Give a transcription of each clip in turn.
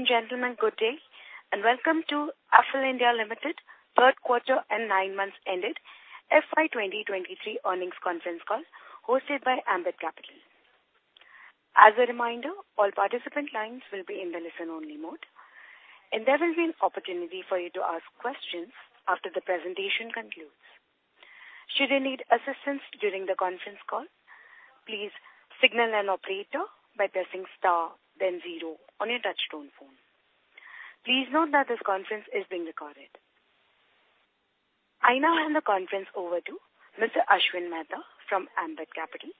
Gentlemen, good day, and welcome to Affle (India) Limited third quarter and 9 months ended FY 2023 earnings conference call hosted by Ambit Capital. As a reminder, all participant lines will be in the listen-only mode. There will be an opportunity for you to ask questions after the presentation concludes. Should you need assistance during the conference call, please signal an operator by pressing star then zero on your touchtone phone. Please note that this conference is being recorded. I now hand the conference over to Mr. Ashwin Mehta from Ambit Capital.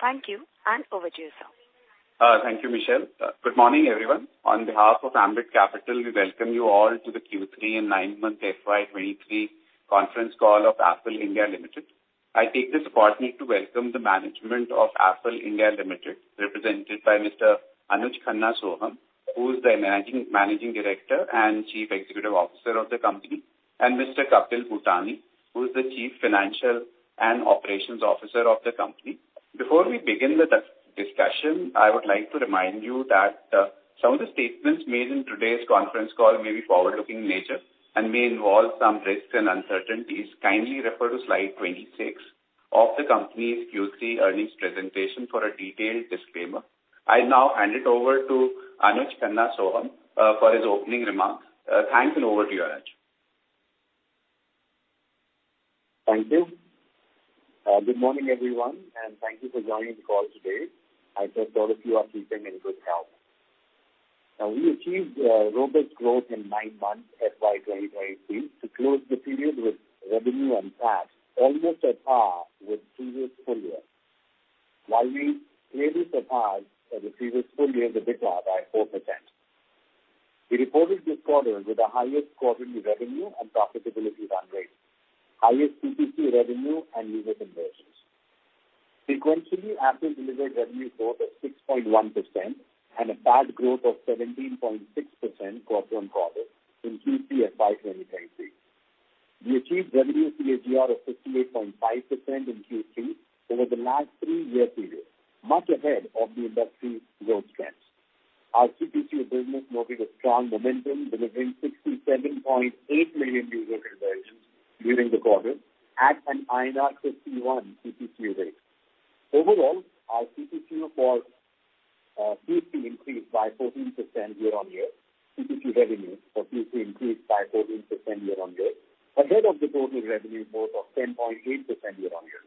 Thank you. Over to you, sir. Thank you, Michelle. Good morning, everyone. On behalf of Ambit Capital, we welcome you all to the Q3 and nine-month FY 2023 conference call of Affle India Limited. I take this opportunity to welcome the management of Affle India Limited, represented by Mr. Anuj Khanna Sohum, who is the Managing Director and Chief Executive Officer of the company, and Mr. Kapil Bhutani, who is the Chief Financial and Operations Officer of the company. Before we begin the discussion, I would like to remind you that some of the statements made in today's conference call may be forward-looking in nature and may involve some risks and uncertainties. Kindly refer to slide 26 of the company's Q3 earnings presentation for a detailed disclaimer. I now hand it over to Anuj Khanna Sohum for his opening remarks. Thanks, and over to you, Anuj. Thank you. Good morning, everyone, and thank you for joining the call today. I trust all of you are keeping in good health. We achieved robust growth in nine months FY 2023 to close the period with revenue and PAT almost at par with previous full year, while we clearly surpassed the previous full year EBITDA by 4%. We reported this quarter with the highest quarterly revenue and profitability run rate, highest CPC revenue and user conversions. Sequentially, Affle delivered revenue growth of 6.1% and a PAT growth of 17.6% quarter on quarter in Q3 FY 2023. We achieved revenue CAGR of 58.5% in Q3 over the last 3-year period, much ahead of the industry's growth trends. Our CPC business noted a strong momentum, delivering 67.8 million user conversions during the quarter at an INR 51 CPC rate. Overall, our CPC for Q3 increased by 14% year-on-year. CPC revenue for Q3 increased by 14% year-on-year, ahead of the total revenue growth of 10.8% year-on-year.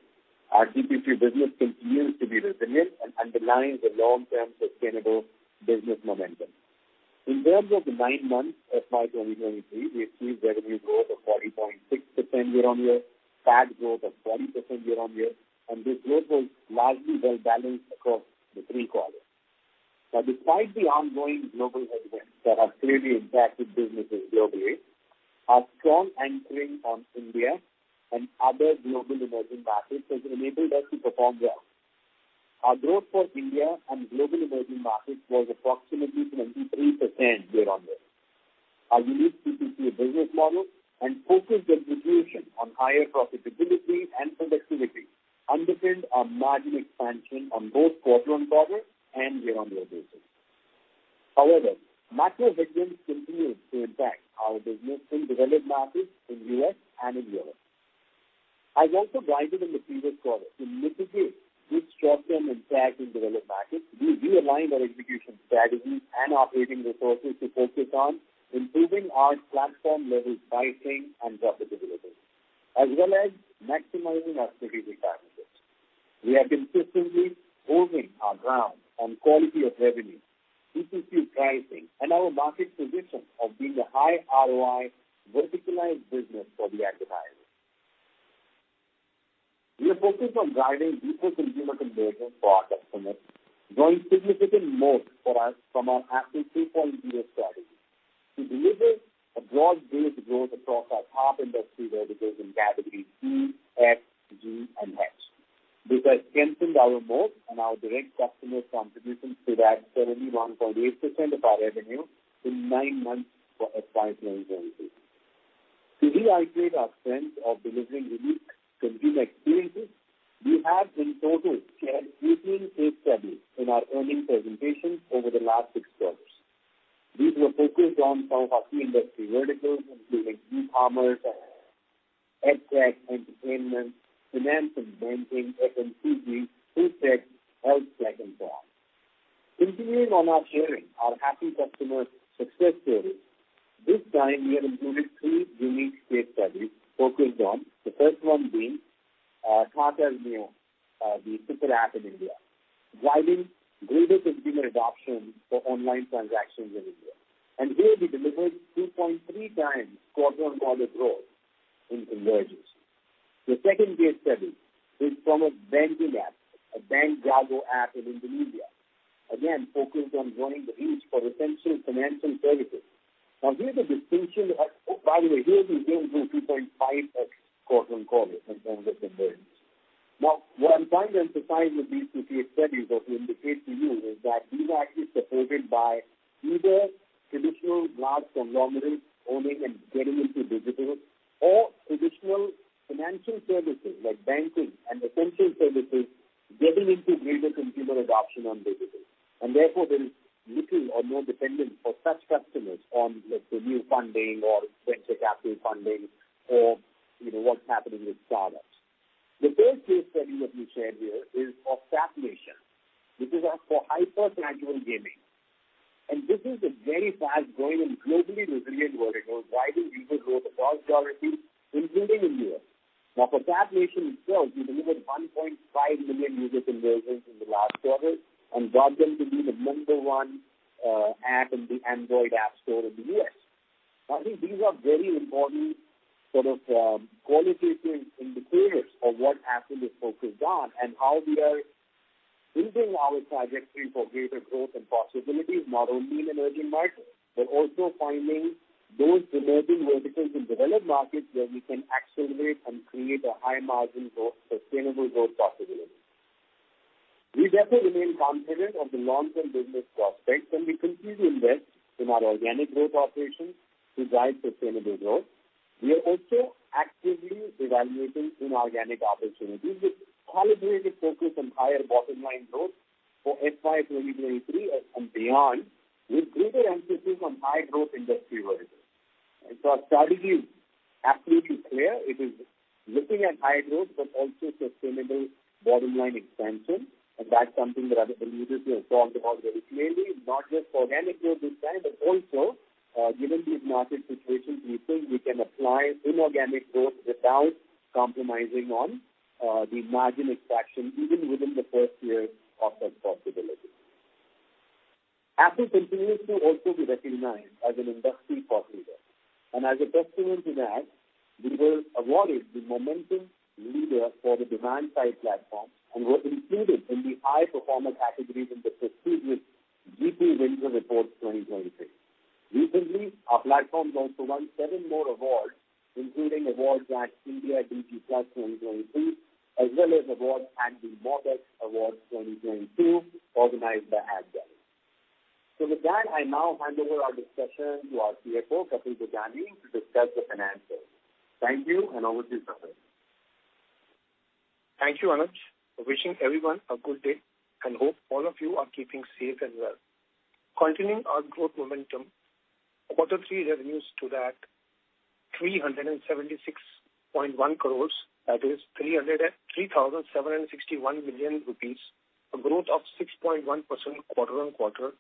Our CPC business continues to be resilient and underlines the long-term sustainable business momentum. In terms of the nine months of FY 2023, we achieved revenue growth of 40.6% year-on-year, PAT growth of 20% year-on-year, and this growth was largely well balanced across the three quarters. Despite the ongoing global headwinds that have clearly impacted businesses globally, our strong anchoring on India and other global emerging markets has enabled us to perform well. Our growth for India and global emerging markets was approximately 23% year-on-year. Our unique CPC business model and focused execution on higher profitability and productivity underpinned our margin expansion on both quarter-on-quarter and year-on-year basis. However, macro headwinds continued to impact our business in developed markets in U.S. and in Europe. As also guided in the previous quarter, to mitigate this short-term impact in developed markets, we realigned our execution strategy and operating resources to focus on improving our platform-level buy string and profitability, as well as maximizing our strategic partnerships. We have consistently holding our ground on quality of revenue, CPC pricing, and our market position of being a high ROI verticalized business for the advertisers. We are focused on driving deeper consumer conversions for our customers, drawing significant moat for us from our Affle 2.0 strategy. We deliver a broad-based growth across our top industry verticals in category C, X, G, and H. This has strengthened our moat, and our direct customer contributions to that 71.8% of our revenue in nine months for FY 2023. To reiterate our strength of delivering unique consumer experiences, we have in total shared 18 case studies in our earnings presentation over the last 6 quarters. These were focused on some of our key industry verticals, including e-commerce, edtech, entertainment, finance and banking, FMCG, food tech, health tech, and so on. Continuing on our sharing our happy customer success stories, this time we have included three unique case studies focused on the first one being, Tata Neu, the super app in India, driving greater consumer adoption for online transactions in India. Here we delivered 2.3 times quarter-on-quarter growth in conversions. The second case study is from a banking app, a Bank Jago app in Indonesia, again, focused on joining the race for essential financial services. Here the distinction... by the way, here we gained 2.5x quarter-on-quarter in terms of conversions. Now, what I'm trying to emphasize with these two case studies or to indicate to you is that these are actually supported by either traditional large conglomerates owning and getting into digital or traditional financial services like banking and essential services-Delivering to greater consumer adoption on digital, and therefore there is little or no dependence for such customers on, let's say, new funding or venture capital funding or, you know, what's happening with products. The third case study that we shared here is of TapNation. This is for hyper-casual gaming. This is a very fast-growing and globally resilient vertical driving user growth across geographies, including in U.S. For Tap Nation itself, we delivered 1.5 million user conversions in the last quarter and got them to be the number one app in the Android app store in the U.S. I think these are very important sort of qualitative indicators of what Affle is focused on and how we are building our trajectory for greater growth and possibilities, not only in emerging markets, but also finding those emerging verticals in developed markets where we can accelerate and create a high margin growth, sustainable growth possibility. We therefore remain confident of the long-term business prospects, and we continue to invest in our organic growth operations to drive sustainable growth. We are also actively evaluating inorganic opportunities with calibrated focus on higher bottom line growth for FY 2023 and beyond, with greater emphasis on high growth industry verticals. Our strategy is absolutely clear. It is looking at high growth but also sustainable bottom line expansion, and that's something that I believe we have talked about very clearly, not just for organic growth this time, but also given these market situations. We feel we can apply inorganic growth without compromising on the margin expansion even within the first year of that possibility. Affle continues to also be recognized as an industry thought leader, and as a testament to that, we were awarded the Momentum Leader for the demand-side platform and were included in the high performance categories in the prestigious G2 Winter Reports 2023. Recently, our platforms also won seven more awards, including awards at India GDP Plus 2023, as well as awards at the Mobexx Awards 2022 organized by Adgully. With that, I now hand over our discussion to our CFO, Kapil Bhutani, to discuss the finances. Thank you, and over to you, Kapil. Thank you, Anuj. Wishing everyone a good day and hope all of you are keeping safe and well. Continuing our growth momentum, quarter three revenues to that 376.1 crores, that is 303,761 million rupees, a growth of 6.1% quarter-on-quarter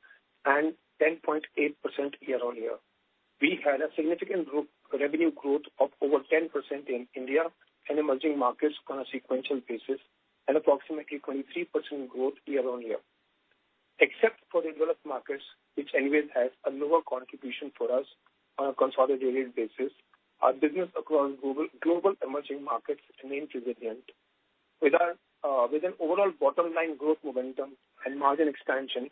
and 10.8% year-on-year. We had a significant group revenue growth of over 10% in India and emerging markets on a sequential basis and approximately 23% growth year-on-year. Except for developed markets, which anyways has a lower contribution for us on a consolidated basis, our business across global emerging markets remained resilient with our with an overall bottom line growth momentum and margin expansion.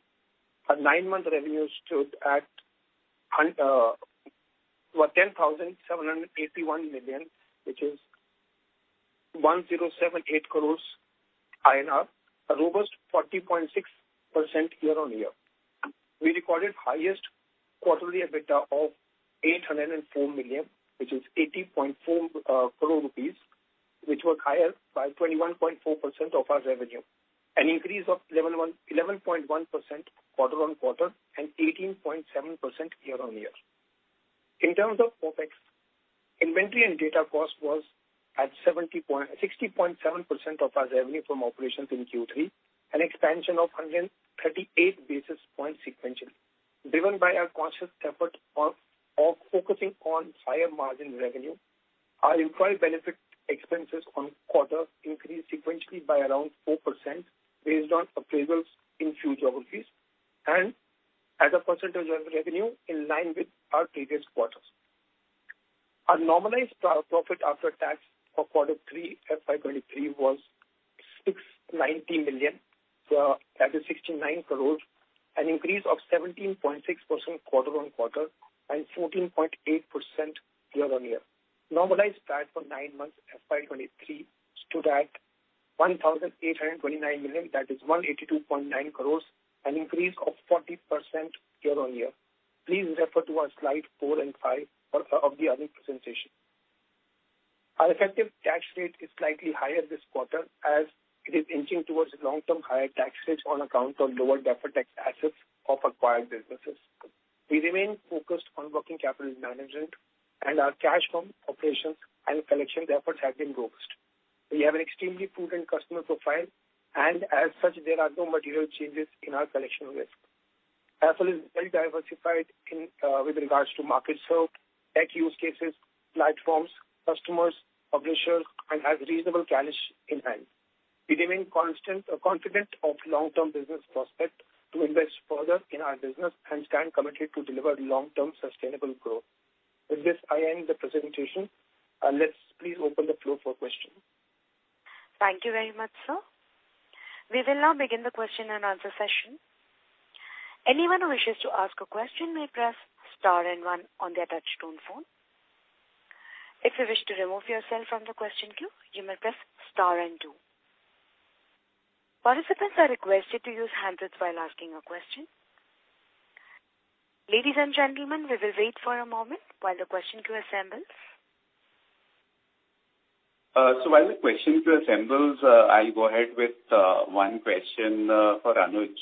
Our nine-month revenue stood at 10,781 million, which is 1,078 crores INR, a robust 40.6% year-on-year. We recorded highest quarterly EBITDA of 804 million, which is 80.4 crores rupees, which was higher by 21.4% of our revenue, an increase of 11.1% quarter-on-quarter and 18.7% year-on-year. In terms of OpEx, inventory and data cost was at 60.7% of our revenue from operations in Q3, an expansion of 138 basis points sequentially. Driven by our conscious effort of focusing on higher margin revenue, our employee benefit expenses on quarter increased sequentially by around 4% based on appraisals in few geographies and as a percentage of revenue in line with our previous quarters. Our normalized pro-profit after tax for quarter three FY23 was 690 million, that is 69 crores, an increase of 17.6% quarter-on-quarter and 14.8% year-on-year. Normalized PAT for nine months FY23 stood at 1,829 million, that is 182.9 crores, an increase of 40% year-on-year. Please refer to our slide four and five of the earnings presentation. Our effective tax rate is slightly higher this quarter, as it is inching towards long-term higher tax rates on account of lower deferred tax assets of acquired businesses. We remain focused on working capital management and our cash from operations and collection efforts have been robust. We have an extremely prudent customer profile, as such, there are no material changes in our collection risk. Affle is very diversified in with regards to markets served, tech use cases, platforms, customers, publishers, and has reasonable cash in hand. We remain constant, confident of long-term business prospect to invest further in our business and stand committed to deliver long-term sustainable growth. With this, I end the presentation. Let's please open the floor for questions. Thank you very much, sir. We will now begin the question and answer session. Anyone who wishes to ask a question may press star and one on their touchtone phone. If you wish to remove yourself from the question queue, you may press star and two. Participants are requested to use handouts while asking a question. Ladies and gentlemen, we will wait for a moment while the question queue assembles. While the question queue assembles, I'll go ahead with one question for Anuj.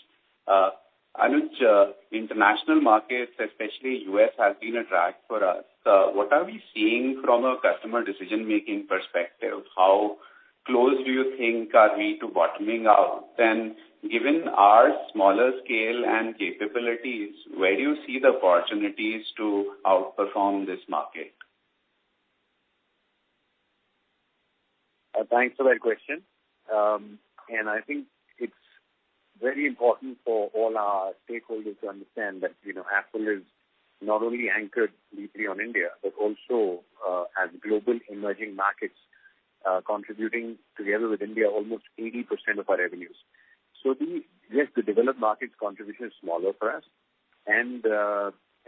Anuj, international markets, especially U.S., has been a drag for us. What are we seeing from a customer decision-making perspective? How close do you think are we to bottoming out? Given our smaller scale and capabilities, where do you see the opportunities to outperform this market? Thanks for that question. I think it's very important for all our stakeholders to understand that, you know, Affle is not only anchored deeply on India, but also as global emerging markets contributing together with India, almost 80% of our revenues. Yes, the developed markets contribution is smaller for us.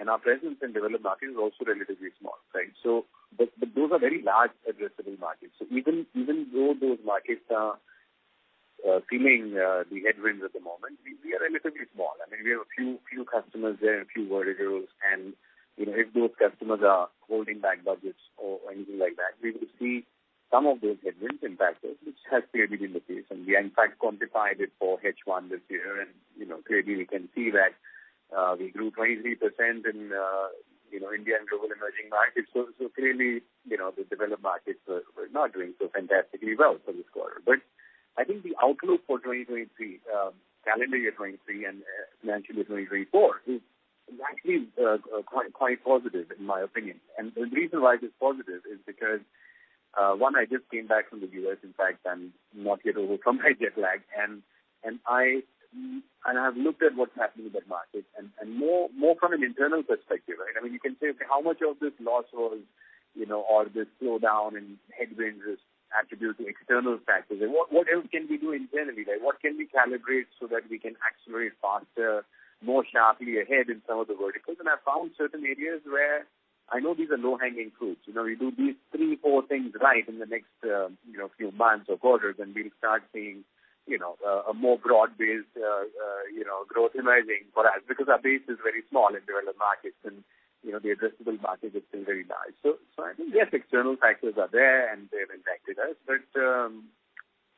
Our presence in developed markets is also relatively small, right? But those are very large addressable markets. Even though those markets are feeling the headwinds at the moment, we are relatively small. I mean, we have a few customers there and a few verticals, and, you know, if those customers are holding back budgets or anything like that, we will see some of those headwinds impacted, which has clearly been the case. We, in fact, quantified it for H1 this year. You know, clearly we can see that, we grew 23% in, you know, India and global emerging markets. Clearly, you know, the developed markets were not doing so fantastically well for this quarter. I think the outlook for 2023, calendar year 23 and, mentioned in 2024 is actually quite positive in my opinion. The reason why it's positive is because, one, I just came back from the U.S., in fact, I'm not yet over from my jet lag. I have looked at what's happening with that market and more from an internal perspective, right? I mean, you can say how much of this loss was, you know, or this slowdown and headwinds is attributed to external factors. What else can we do internally, right? What can we calibrate so that we can accelerate faster, more sharply ahead in some of the verticals? I found certain areas where I know these are low-hanging fruits. You know, we do these three, four things right in the next, you know, few months or quarters, and we'll start seeing, you know, a more broad-based, you know, growth emerging for us because our base is very small in developed markets and, you know, the addressable market is still very large. I think, yes, external factors are there and they've impacted us.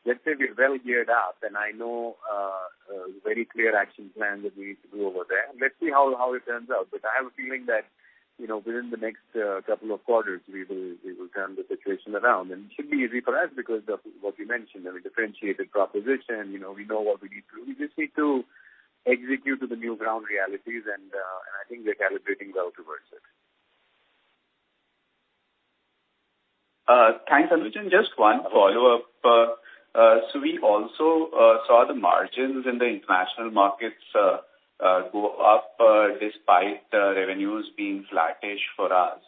Let's say we're well geared up and I know a very clear action plan that we need to do over there. Let's see how it turns out. I have a feeling that, you know, within the next couple of quarters, we will turn the situation around. It should be easy for us because of what we mentioned, I mean, differentiated proposition. You know, we know what we need to... We just need to execute to the new ground realities and I think we're calibrating well towards it. Thanks, Anuj. Just one follow-up. We also saw the margins in the international markets go up despite the revenues being flattish for us.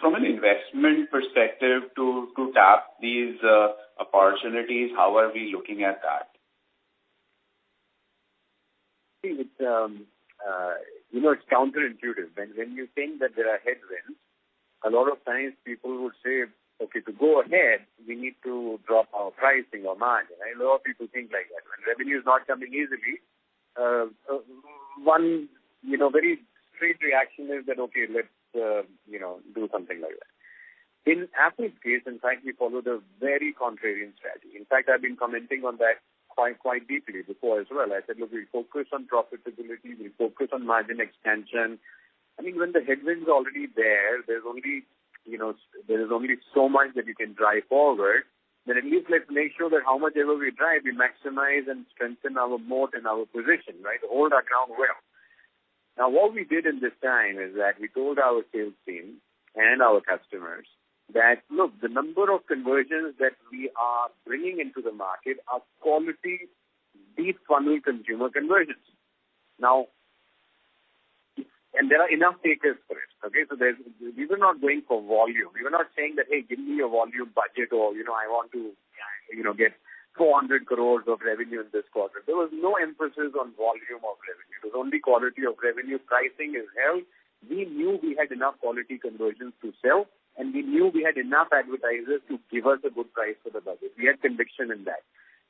From an investment perspective to tap these opportunities, how are we looking at that? See with, you know, it's counterintuitive. When you think that there are headwinds, a lot of times people would say, "Okay, to go ahead, we need to drop our pricing or margin." A lot of people think like that. When revenue is not coming easily, one, you know, very straight reaction is that, okay, let's, you know, do something like that. In Affle's case, in fact, we follow the very contrarian strategy. In fact, I've been commenting on that quite deeply before as well. I said, look, we'll focus on profitability. We'll focus on margin expansion. I mean, when the headwinds are already there's only, you know, there is only so much that you can drive forward. At least let's make sure that how much ever we drive, we maximize and strengthen our moat and our position, right, hold our ground well. What we did in this time is that we told our sales team and our customers that, "Look, the number of conversions that we are bringing into the market are quality deep funnel consumer conversions." Now. There are enough takers for it, okay? We were not going for volume. We were not saying that, "Hey, give me a volume budget," or, you know, "I want to, you know, get 400 crore of revenue in this quarter." There was no emphasis on volume of revenue. It was only quality of revenue. Pricing is held. We knew we had enough quality conversions to sell, and we knew we had enough advertisers to give us a good price for the budget. We had conviction in that.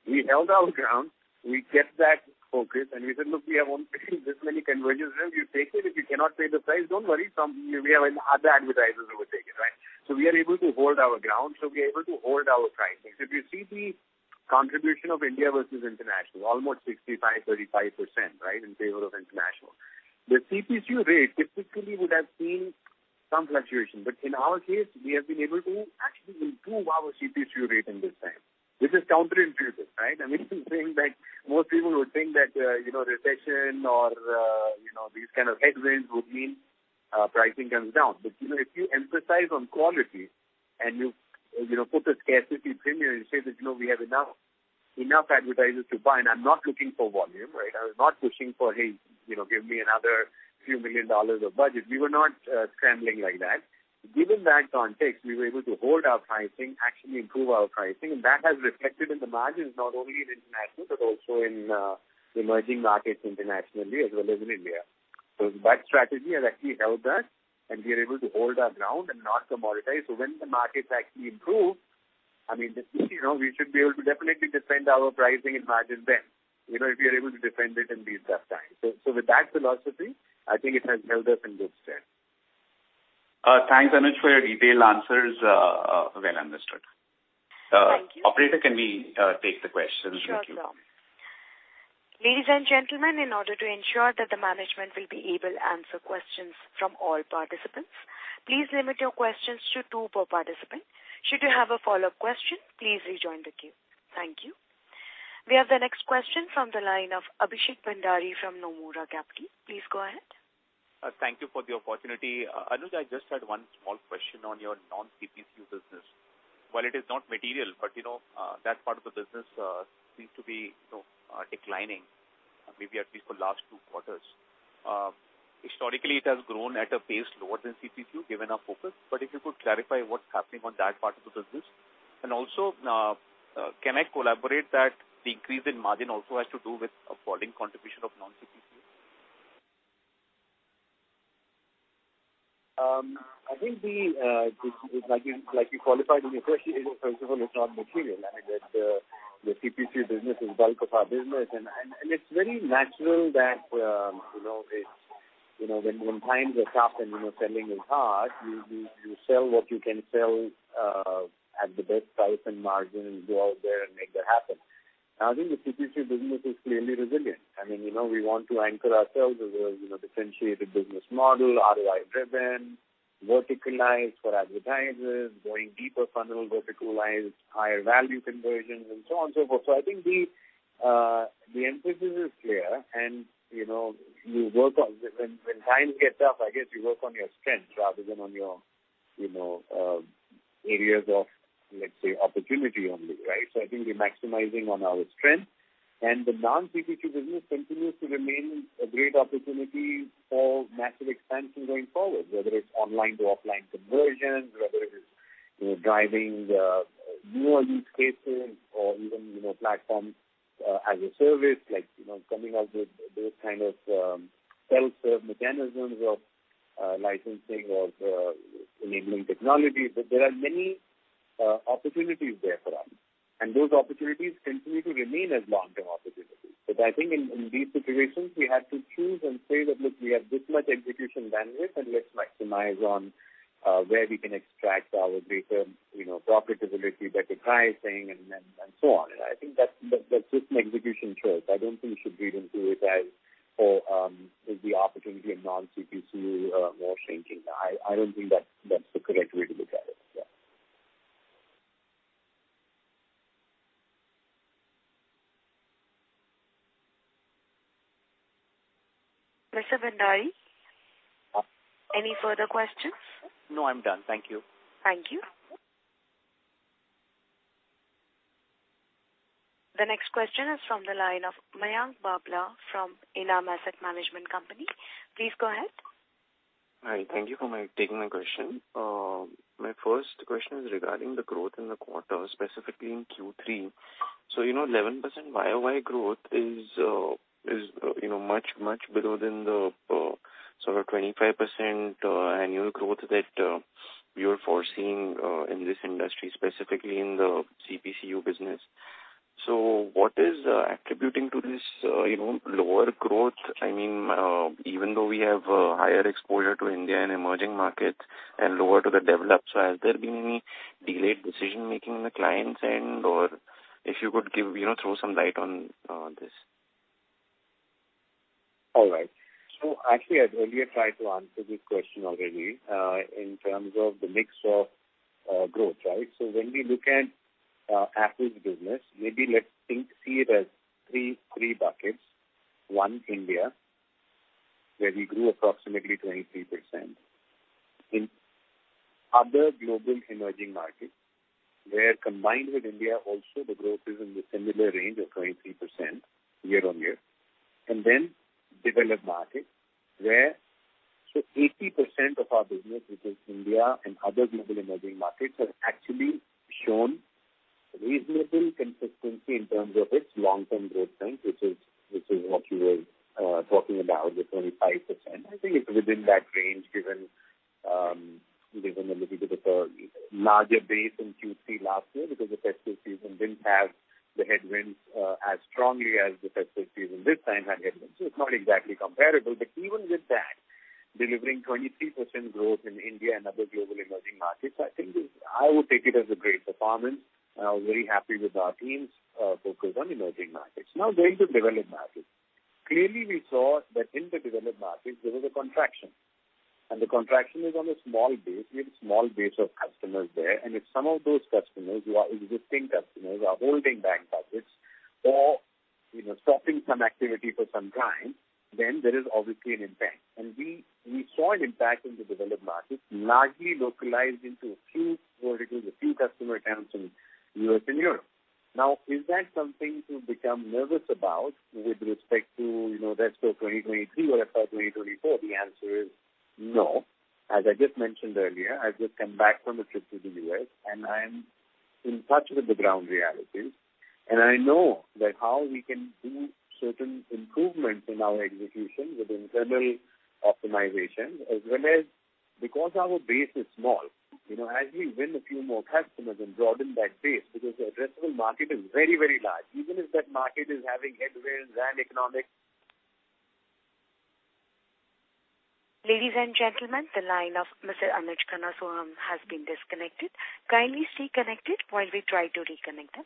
We held our ground, we kept that focus, and we said, "Look, we have only this many conversions. If you take it, if you cannot pay the price, don't worry, we have other advertisers who will take it," right? We are able to hold our ground, so we're able to hold our pricing. If you see the contribution of India versus international, almost 65%, 35%, right, in favor of international. The CPC rate typically would have seen some fluctuation. In our case, we have been able to actually improve our CPC rate in this time, which is counterintuitive, right? I mean, saying that most people would think that, you know, recession or, you know, these kind of headwinds would mean pricing comes down. You know, if you emphasize on quality and you know, put a scarcity premium and say that, "Look, we have enough advertisers to buy, and I'm not looking for volume," right? I was not pushing for, "Hey, you know, give me another few million dollars of budget." We were not scrambling like that. Given that context, we were able to hold our pricing, actually improve our pricing, and that has reflected in the margins, not only in international, but also in emerging markets internationally as well as in India. That strategy has actually helped us, and we are able to hold our ground and not commoditize. When the markets actually improve, I mean, you know, we should be able to definitely defend our pricing and margin then, you know, if you're able to defend it in these tough times. With that philosophy, I think it has held us in good stead. Thanks, Anuj, for your detailed answers. Well understood. Thank you. Operator, can we, take the questions? Thank you. Sure. Ladies and gentlemen, in order to ensure that the management will be able to answer questions from all participants, please limit your questions to two per participant. Should you have a follow-up question, please rejoin the queue. Thank you. We have the next question from the line of Abhishek Bhandari from Nomura Capital. Please go ahead. Thank you for the opportunity. Anuj, I just had one small question on your non-CPCU business. While it is not material, but you know, that part of the business, seems to be, you know, declining, maybe at least for last two quarters. Historically, it has grown at a pace lower than CPCU, given our focus. If you could clarify what's happening on that part of the business? Also, can I collaborate that the increase in margin also has to do with a falling contribution of non-CPCU? I think the like you qualified in your question, first of all, it's not material. I mean, the CPCU business is bulk of our business. It's very natural that, you know, it's, you know, when times are tough and, you know, selling is hard, you sell what you can sell at the best price and margin and go out there and make that happen. I think the CPCU business is clearly resilient. I mean, you know, we want to anchor ourselves as a, you know, differentiated business model, ROI-driven, verticalized for advertisers, going deeper funnel, verticalized, higher value conversions, and so on, so forth. I think the emphasis is clear. You know, you work on... When times get tough, I guess you work on your strengths rather than on your, you know, areas of, let's say, opportunity only, right? I think we're maximizing on our strengths. The non-CPCU business continues to remain a great opportunity for massive expansion going forward, whether it's online to offline conversions, whether it is, you know, driving newer use cases or even, you know, platform as a service, like, you know, coming up with those kind of self-serve mechanisms of licensing or enabling technology. There are many opportunities there for us, and those opportunities continue to remain as long-term opportunities. I think in these situations, we had to choose and say that, "Look, we have this much execution bandwidth, and let's maximize on where we can extract our greater, you know, profitability, better pricing, and so on." I think that's just an execution choice. I don't think we should read into it as, is the opportunity in non-CPCU, more shrinking? I don't think that's the correct way to look at it. Yeah. Mr. Bhandari, any further questions? No, I'm done. Thank you. Thank you. The next question is from the line of Mayank Babla from ENAM Asset Management Company. Please go ahead. Hi. Thank you for taking my question. My first question is regarding the growth in the quarter, specifically in Q3. You know, 11% Y-o-Y growth is, you know, much below than the sort of 25% annual growth that you're foreseeing in this industry, specifically in the CPCU business. What is attributing to this, you know, lower growth? I mean, even though we have a higher exposure to India and emerging markets and lower to the developed. Has there been any delayed decision-making on the client's end? Or if you could give, you know, throw some light on this. All right. Actually, I earlier tried to answer this question already, in terms of the mix of growth, right? When we look at Affle's business, maybe let's see it as three buckets. One, India, where we grew approximately 23%. In other global emerging markets, where combined with India also the growth is in the similar range of 23% year-on-year. Then developed markets, where 80% of our business, which is India and other global emerging markets, have actually shown reasonable consistency in terms of its long-term growth trend, which is what you were talking about, the 25%. I think it's within that range given a little bit of a larger base in Q3 last year because the festive season didn't have the headwinds as strongly as the festive season this time had headwinds. It's not exactly comparable. Even with that, delivering 23% growth in India and other global emerging markets, I think is. I would take it as a great performance. Very happy with our teams focused on emerging markets. Going to developed markets. Clearly, we saw that in the developed markets there was a contraction, and the contraction is on a small base. We have a small base of customers there. If some of those customers who are existing customers are holding back budgets or, you know, stopping some activity for some time, then there is obviously an impact. We saw an impact in the developed markets largely localized into a few verticals, a few customer accounts in U.S. And Europe. Is that something to become nervous about with respect to, you know, rest of 2023 or rest of 2024? The answer is no. As I just mentioned earlier, I've just back from a trip to the U.S., I am in touch with the ground realities. I know that how we can do certain improvements in our execution with internal optimization, as well as because our base is small, you know, as we win a few more customers and broaden that base because the addressable market is very, very large. Even if that market is having headwinds. Ladies and gentlemen, the line of Mr. Anuj Khanna Sohum has been disconnected. Kindly stay connected while we try to reconnect him.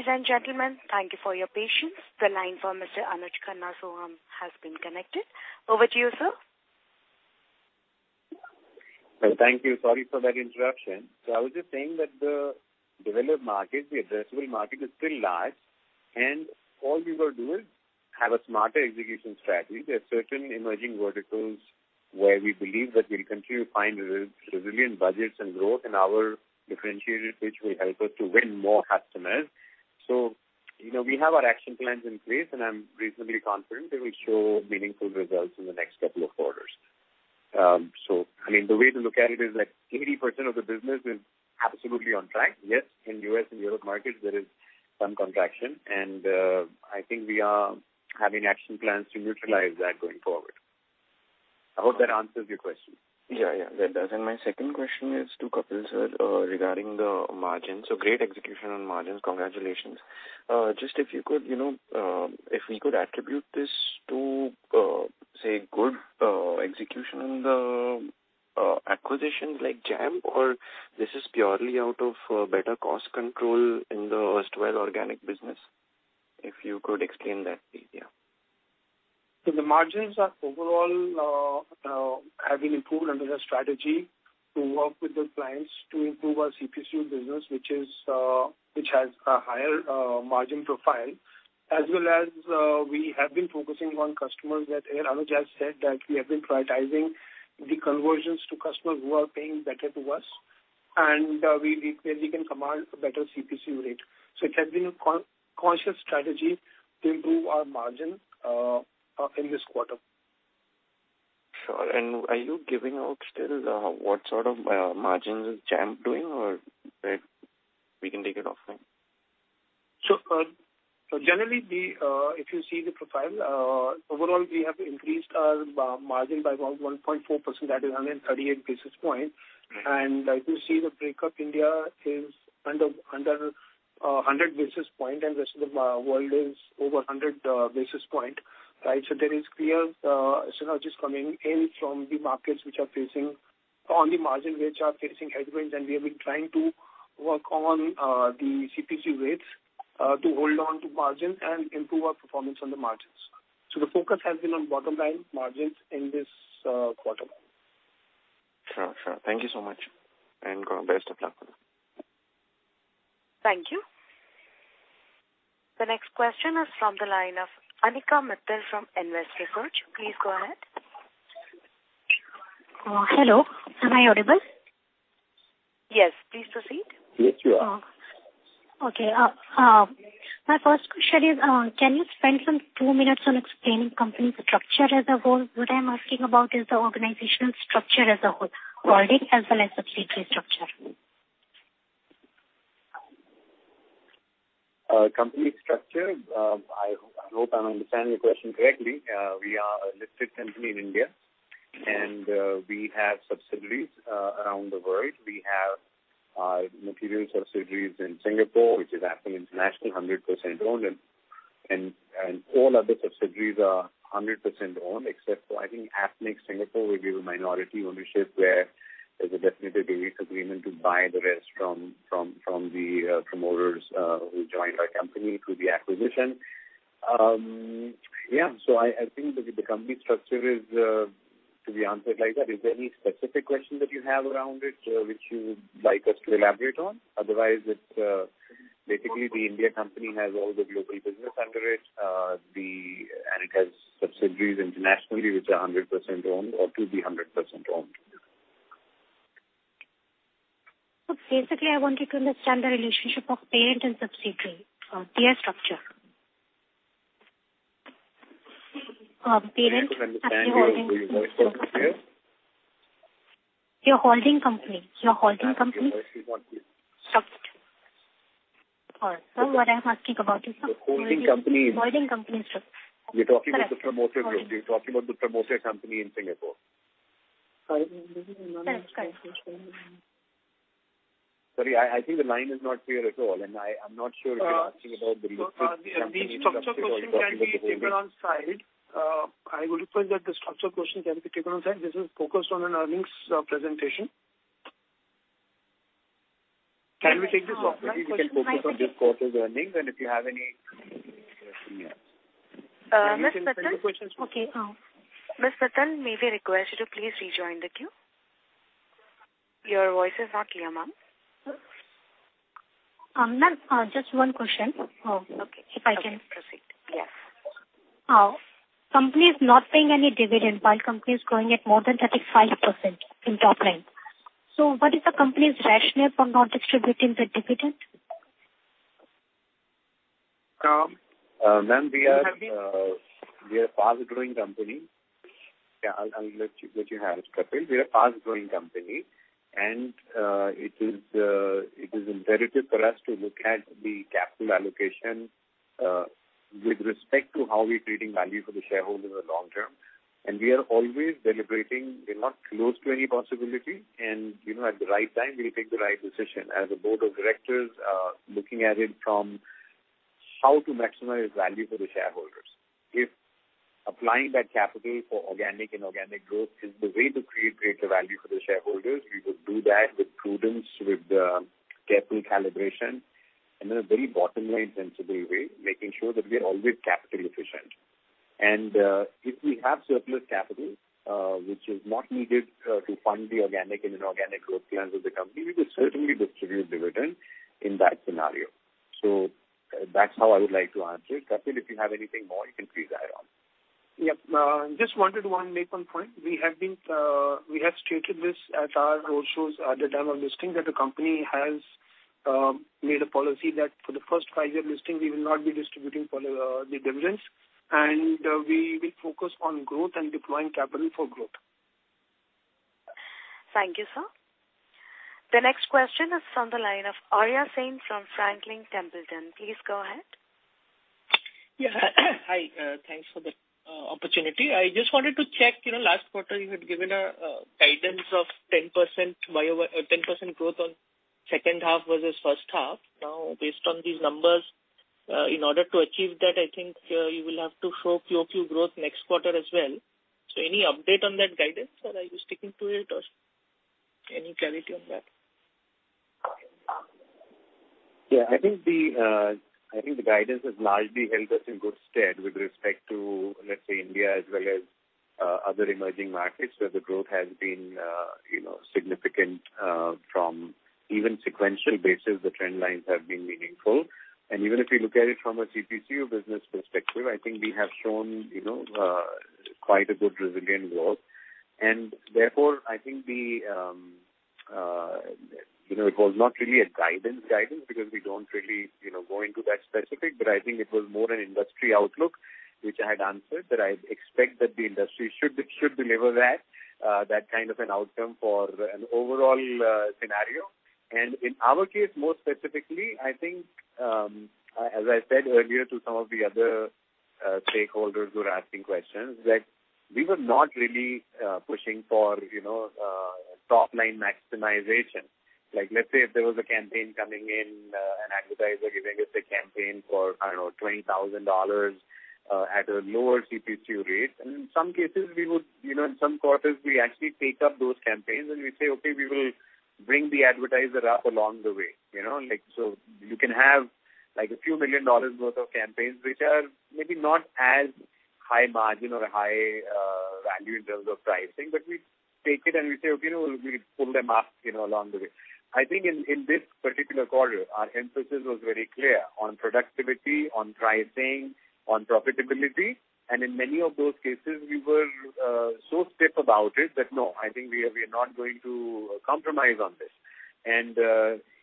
Ladies and gentlemen, thank you for your patience. The line for Mr. Anuj Khanna Sohum has been connected. Over to you, sir. Well, thank you. Sorry for that interruption. I was just saying that the developed market, the addressable market is still large, and all we'll do is have a smarter execution strategy. There are certain emerging verticals where we believe that we'll continue to find resilient budgets and growth, and our differentiated pitch will help us to win more customers. You know, we have our action plans in place, and I'm reasonably confident that we'll show meaningful results in the next couple of quarters. I mean, the way to look at it is like 80% of the business is absolutely on track. Yes, in U.S. and Europe markets there is some contraction, and I think we are having action plans to neutralize that going forward. I hope that answers your question. Yeah. Yeah, that does. My second question is to Kapil, sir, regarding the margins. Great execution on margins. Congratulations. Just if you could, you know, if we could attribute this to, say, good execution in the acquisitions like Jampp, or this is purely out of better cost control in the rest well organic business. If you could explain that please. Yeah. The margins are overall have been improved under the strategy to work with the clients to improve our CPC business, which is which has a higher margin profile. As well as, we have been focusing on customers that Anuj has said that we have been prioritizing the conversions to customers who are paying better to us, and we basically can command a better CPC rate. It has been a conscious strategy to improve our margin in this quarter. Sure. Are you giving out still, what sort of margins is Jampp doing or where we can take it offline? Generally the, if you see the profile, overall we have increased our margin by about 1.4%, that is 138 basis points. Mm-hmm. If you see the breakup, India is under 100 basis points and rest of the world is over 100 basis points, right? There is clear synergies coming in from the markets which are facing headwinds. We have been trying to work on the CPC rates to hold on to margins and improve our performance on the margins. The focus has been on bottom line margins in this quarter. Sure. Sure. Thank you so much, and best of luck with it. Thank you. The next question is from the line of Anika Mittal from Invest Research. Please go ahead. Hello. Am I audible? Yes, please proceed. Yes, you are. Okay. My first question is, can you spend some two minutes on explaining company structure as a whole? What I'm asking about is the organizational structure as a whole, holding as well as the 3D structure. Company structure. I hope I understand your question correctly. We are a listed company in India, and we have subsidiaries around the world. We have material subsidiaries in Singapore, which is Apption International, 100% owned. All other subsidiaries are 100% owned except for I think Appnext Singapore, where we have a minority ownership, where there's a definitive agreement to buy the rest from the promoters who joined our company through the acquisition. Yeah. I think that the company structure is to be answered like that. Is there any specific question that you have around it which you would like us to elaborate on? Otherwise, it's basically the India company has all the global business under it. It has subsidiaries internationally, which are 100% owned or to be 100% owned. Basically, I wanted to understand the relationship of parent and subsidiary tier structure. I couldn't understand your.... your holding company. Sorry. What I'm asking about. The holding company. Holding company structure. You're talking about the promoter group. You're talking about the promoter company in Singapore. Sorry, I didn't understand the question. That's correct. Sorry, I think the line is not clear at all, and I'm not sure if you're asking about. The structure question can be taken on side. I would request that the structure question can be taken on side. This is focused on an earnings presentation. Can we take this opportunity we can focus on this quarter's earnings, and if you have any questions, yeah. Miss Mittal- You can send your questions. Okay, Miss Mittal, may I request you to please rejoin the queue? Your voice is not clear, ma'am. Ma'am, just one question. Oh, okay. If I can proceed. Yes. Company is not paying any dividend while company is growing at more than 35% in top line. What is the company's rationale for not distributing the dividend? Ma'am, we are a fast-growing company. Yeah, I'll let you handle it, Kapil. We are a fast-growing company and it is imperative for us to look at the capital allocation with respect to how we're creating value for the shareholder in the long term. We are always deliberating. We're not close to any possibility and, you know, at the right time we'll take the right decision. As a board of directors, looking at it from how to maximize value for the shareholders. If applying that capital for organic and organic growth is the way to create greater value for the shareholders, we would do that with prudence, with careful calibration in a very bottom-line sensible way, making sure that we are always capital efficient. If we have surplus capital, which is not needed to fund the organic and inorganic growth plans of the company, we would certainly distribute dividend in that scenario. That's how I would like to answer it. Kapil, if you have anything more, you can please add on. Yeah. just wanted to make one point. We have been, we have stated this at our roadshows at the time of listing, that the company has made a policy that for the first five-year listing we will not be distributing for the dividends and we will focus on growth and deploying capital for growth. Thank you, sir. The next question is on the line of Arya Sen from Franklin Templeton. Please go ahead. Yeah. Hi, thanks for the opportunity. I just wanted to check, you know, last quarter you had given a guidance of 10% growth on second half versus first half. Now, based on these numbers, in order to achieve that, I think, you will have to show QoQ growth next quarter as well. Any update on that guidance or are you sticking to it, or any clarity on that? Yeah, I think the, I think the guidance has largely held us in good stead with respect to, let's say, India as well as other emerging markets where the growth has been, you know, significant, from even sequential basis, the trend lines have been meaningful. Even if you look at it from a CPCU business perspective, I think we have shown, you know, quite a good resilient growth. Therefore, I think the, you know, it was not really a guidance because we don't really, you know, go into that specific. I think it was more an industry outlook, which I had answered, that I expect that the industry should deliver that kind of an outcome for an overall scenario. In our case, more specifically, I think, as I said earlier to some of the other stakeholders who are asking questions, that we were not really pushing for, you know, top-line maximization. Like, let's say if there was a campaign coming in, an advertiser giving us a campaign for, I don't know, $20,000, at a lower CPCU rate, and in some cases we would, you know, in some quarters, we actually take up those campaigns and we say, "Okay, we will bring the advertiser up along the way." You know? Like, you can have, like, a few million dollars worth of campaigns which are maybe not as high margin or high value in terms of pricing, but we take it and we say, "Okay, you know, we'll pull them up, you know, along the way." I think in this particular quarter, our emphasis was very clear on productivity, on pricing, on profitability. In many of those cases, we were so strict about it that, no, I think we are, we are not going to compromise on this.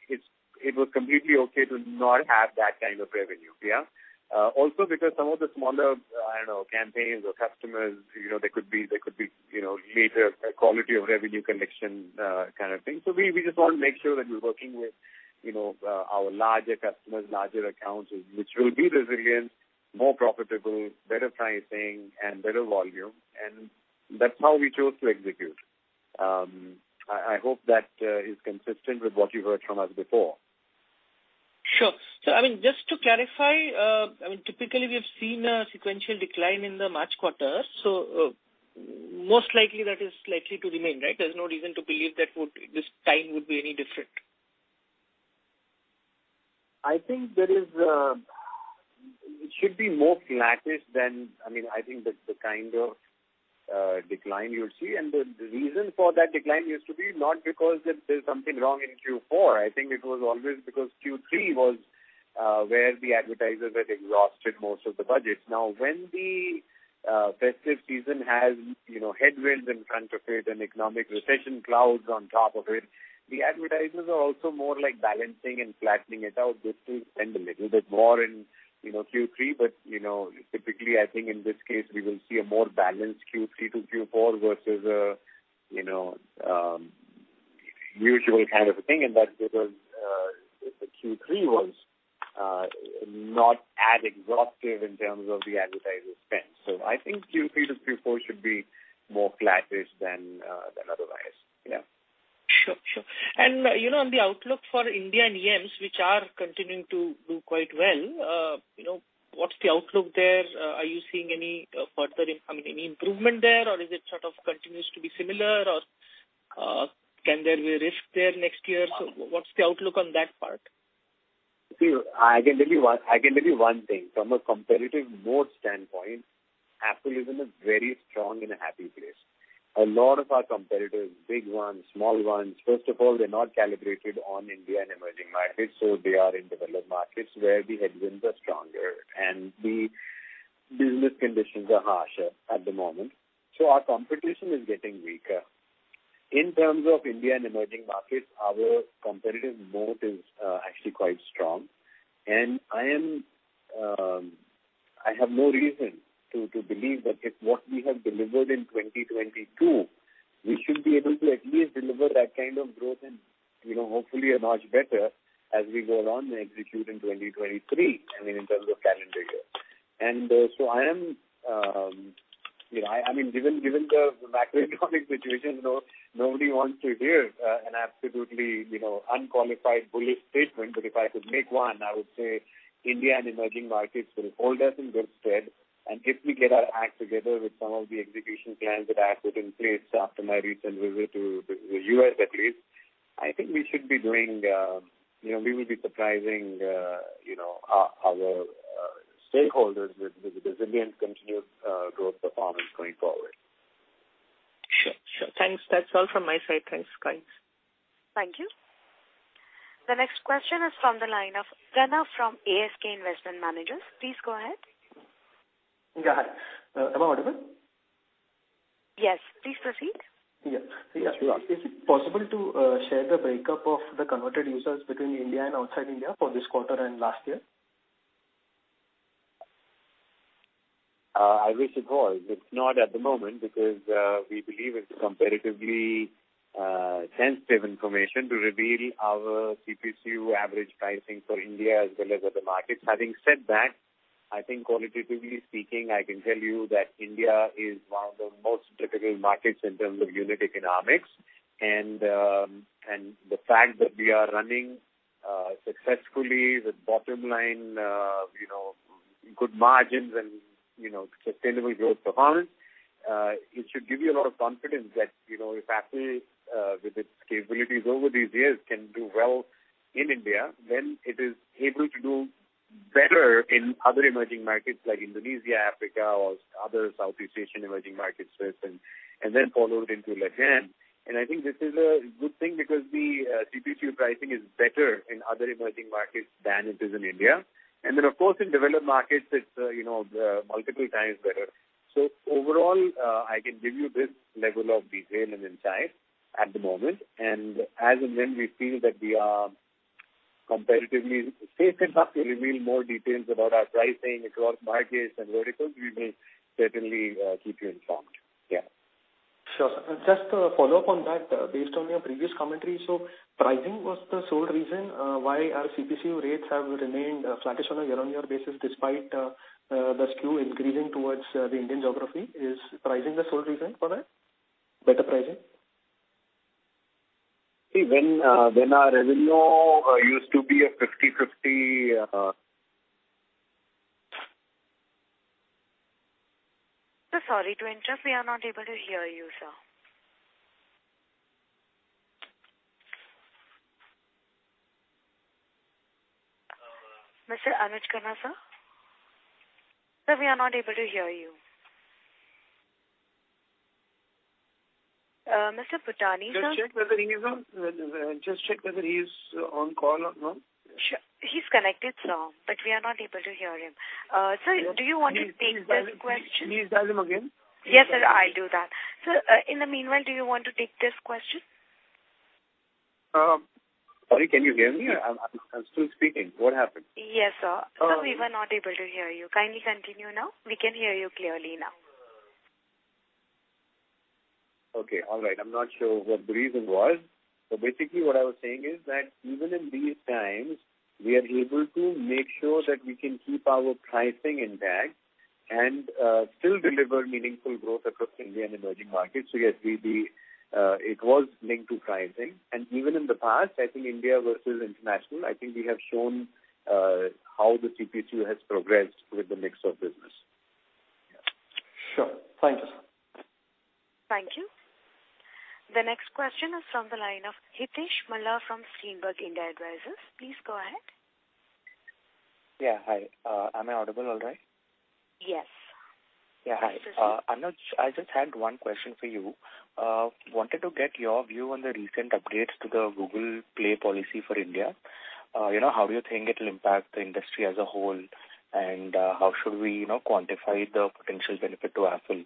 It's, it was completely okay to not have that kind of revenue. Yeah. Also because some of the smaller, I don't know, campaigns or customers, you know, they could be, you know, later quality of revenue collection, kind of thing. We just want to make sure that we're working with, you know, our larger customers, larger accounts, which will be resilient, more profitable, better pricing and better volume, and that's how we chose to execute. I hope that is consistent with what you heard from us before. Sure. I mean, just to clarify, I mean, typically we have seen a sequential decline in the March quarter. Most likely that is likely to remain, right? There's no reason to believe this time would be any different. I think there is. It should be more flattish than. I mean, I think that the kind of decline you'll see, and the reason for that decline used to be not because that there's something wrong in Q4, I think it was always because Q3 was where the advertisers had exhausted most of the budgets. Now, when the festive season has, you know, headwinds in front of it and economic recession clouds on top of it, the advertisers are also more, like, balancing and flattening it out just to spend a little bit more in, you know, Q3. You know, typically, I think in this case we will see a more balanced Q3 to Q4 versus a, you know, usual kind of a thing. That because the Q3 was not as exhaustive in terms of the advertiser spend. I think Q3 to Q4 should be more flattish than otherwise. Yeah. Sure. Sure. You know, on the outlook for India and EMs, which are continuing to do quite well, you know, what's the outlook there? Are you seeing any further, I mean, any improvement there, or is it sort of continues to be similar? Can there be risk there next year? What's the outlook on that part? I can tell you one thing. From a competitive mode standpoint, Affle is in a very strong and a happy place. A lot of our competitors, big ones, small ones, first of all, they're not calibrated on India and emerging markets, so they are in developed markets where the headwinds are stronger and the business conditions are harsher at the moment. Our competition is getting weaker. In terms of India and emerging markets, our competitive mode is actually quite strong. I have no reason to believe that if what we have delivered in 2022, we should be able to at least deliver that kind of growth and, you know, hopefully a much better as we go along and execute in 2023, I mean, in terms of calendar year. So I am, you know, I mean, given the macroeconomic situation you know, nobody wants to hear an absolutely, you know, unqualified bullish statement, but if I could make one, I would say India and emerging markets will hold us in good stead. If we get our act together with some of the execution plans that I have put in place after my recent visit to the U.S. at least, I think we should be doing, you know, we will be surprising, you know, our, stakeholders with a resilient continued, growth performance going forward. Sure. Sure. Thanks. That's all from my side. Thanks. Bye. Thank you. The next question is from the line of Pranav from ASK Investment Managers. Please go ahead. Yeah, hi. Am I audible? Yes, please proceed. Yeah. Is it possible to share the breakup of the converted users between India and outside India for this quarter and last year? I wish it was. It's not at the moment because we believe it's comparatively sensitive information to reveal our CPCU average pricing for India as well as other markets. Having said that, I think qualitatively speaking, I can tell you that India is one of the most difficult markets in terms of unit economics. The fact that we are running successfully with bottom line, you know, good margins and, you know, sustainable growth performance, it should give you a lot of confidence that, you know, if Affle with its capabilities over these years can do well in India, then it is able to do better in other emerging markets like Indonesia, Africa or other Southeast Asian emerging markets first, and then follow it into LATAM. I think this is a good thing because the CPCU pricing is better in other emerging markets than it is in India. Of course, in developed markets, it's, you know, multiple times better. Overall, I can give you this level of detail and insight at the moment. As and when we feel that we are competitively safe enough to reveal more details about our pricing across markets and verticals, we will certainly keep you informed. Yeah. Sure. Just to follow up on that, based on your previous commentary, so pricing was the sole reason, why our CPCU rates have remained flattish on a year-on-year basis despite the SKU increasing towards the Indian geography. Is pricing the sole reason for that? Better pricing? See, when our revenue, used to be a 50/50. Sorry to interrupt. We are not able to hear you, sir. Mr. Anuj Khanna, sir? Sir, we are not able to hear you. Mr. Bhutani, sir? Just check whether he is on call or not. Sure. He's connected, sir, but we are not able to hear him. Sir, do you want to take this question? Can you dial him again? Yes, sir, I'll do that. Sir, in the meanwhile, do you want to take this question? Sorry, can you hear me? I'm still speaking. What happened? Yes, sir. Uh. Sir, we were not able to hear you. Kindly continue now. We can hear you clearly now. Okay. All right. I'm not sure what the reason was. Basically, what I was saying is that even in these times, we are able to make sure that we can keep our pricing intact and still deliver meaningful growth across India and emerging markets. Yes, it was linked to pricing. Even in the past, I think India versus international, I think we have shown how the CPCU has progressed with the mix of business. Yeah. Sure. Thank you, sir. Thank you. The next question is from the line of Hitesh Malla from Greenberg India Advisors. Please go ahead. Yeah. Hi. Am I audible all right? Yes. Yeah. Please proceed. Anuj, I just had one question for you. Wanted to get your view on the recent upgrades to the Google Play policy for India. You know, how do you think it'll impact the industry as a whole? How should we, you know, quantify the potential benefit to Apple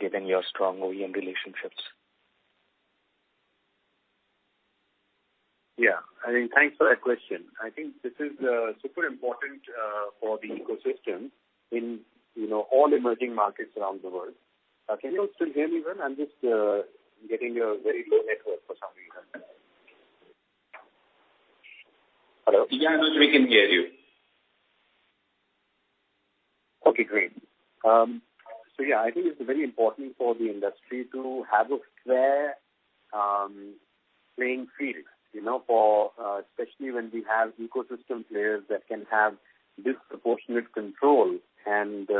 given your strong OEM relationships? Yeah. I mean, thanks for that question. I think this is super important for the ecosystem in, you know, all emerging markets around the world. Can you still hear me well? I'm just getting a very low network for some reason. Hello? Yeah, Anuj, we can hear you. Okay, great. Yeah, I think it's very important for the industry to have a fair playing field, you know, for especially when we have ecosystem players that can have disproportionate control and, you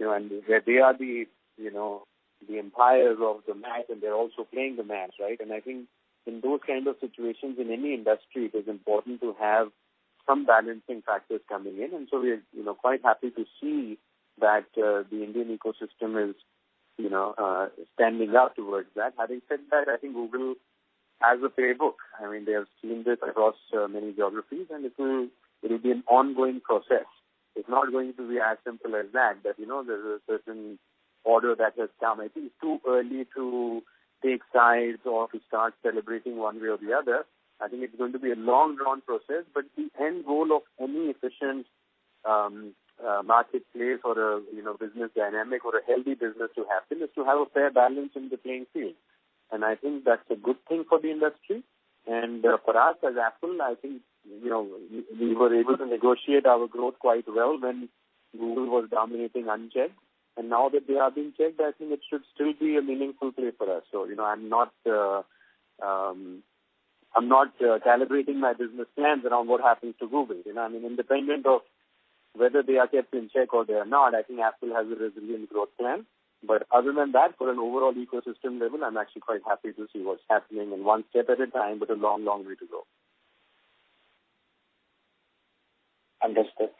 know, and they are the, you know, the empires of the match and they're also playing the match, right? I think in those kind of situations in any industry, it is important to have some balancing factors coming in. We are, you know, quite happy to see that the Indian ecosystem is, you know, standing out towards that. Having said that, I think Google has a playbook. I mean, they have seen this across many geographies, and it will be an ongoing process. It's not going to be as simple as that, but, you know, there's a certain order that has come. I think it's too early to take sides or to start celebrating one way or the other. I think it's going to be a long drawn process, but the end goal of any efficient, marketplace or a, you know, business dynamic or a healthy business to happen is to have a fair balance in the playing field. I think that's a good thing for the industry and, for us as Affle, I think, you know, we were able to negotiate our growth quite well when Google was dominating unchecked. Now that they are being checked, I think it should still be a meaningful play for us. You know, I'm not calibrating my business plans around what happens to Google. You know, I mean, independent of whether they are kept in check or they are not, I think Apple has a resilient growth plan. Other than that, for an overall ecosystem level, I'm actually quite happy to see what's happening. One step at a time, but a long, long way to go. Understood.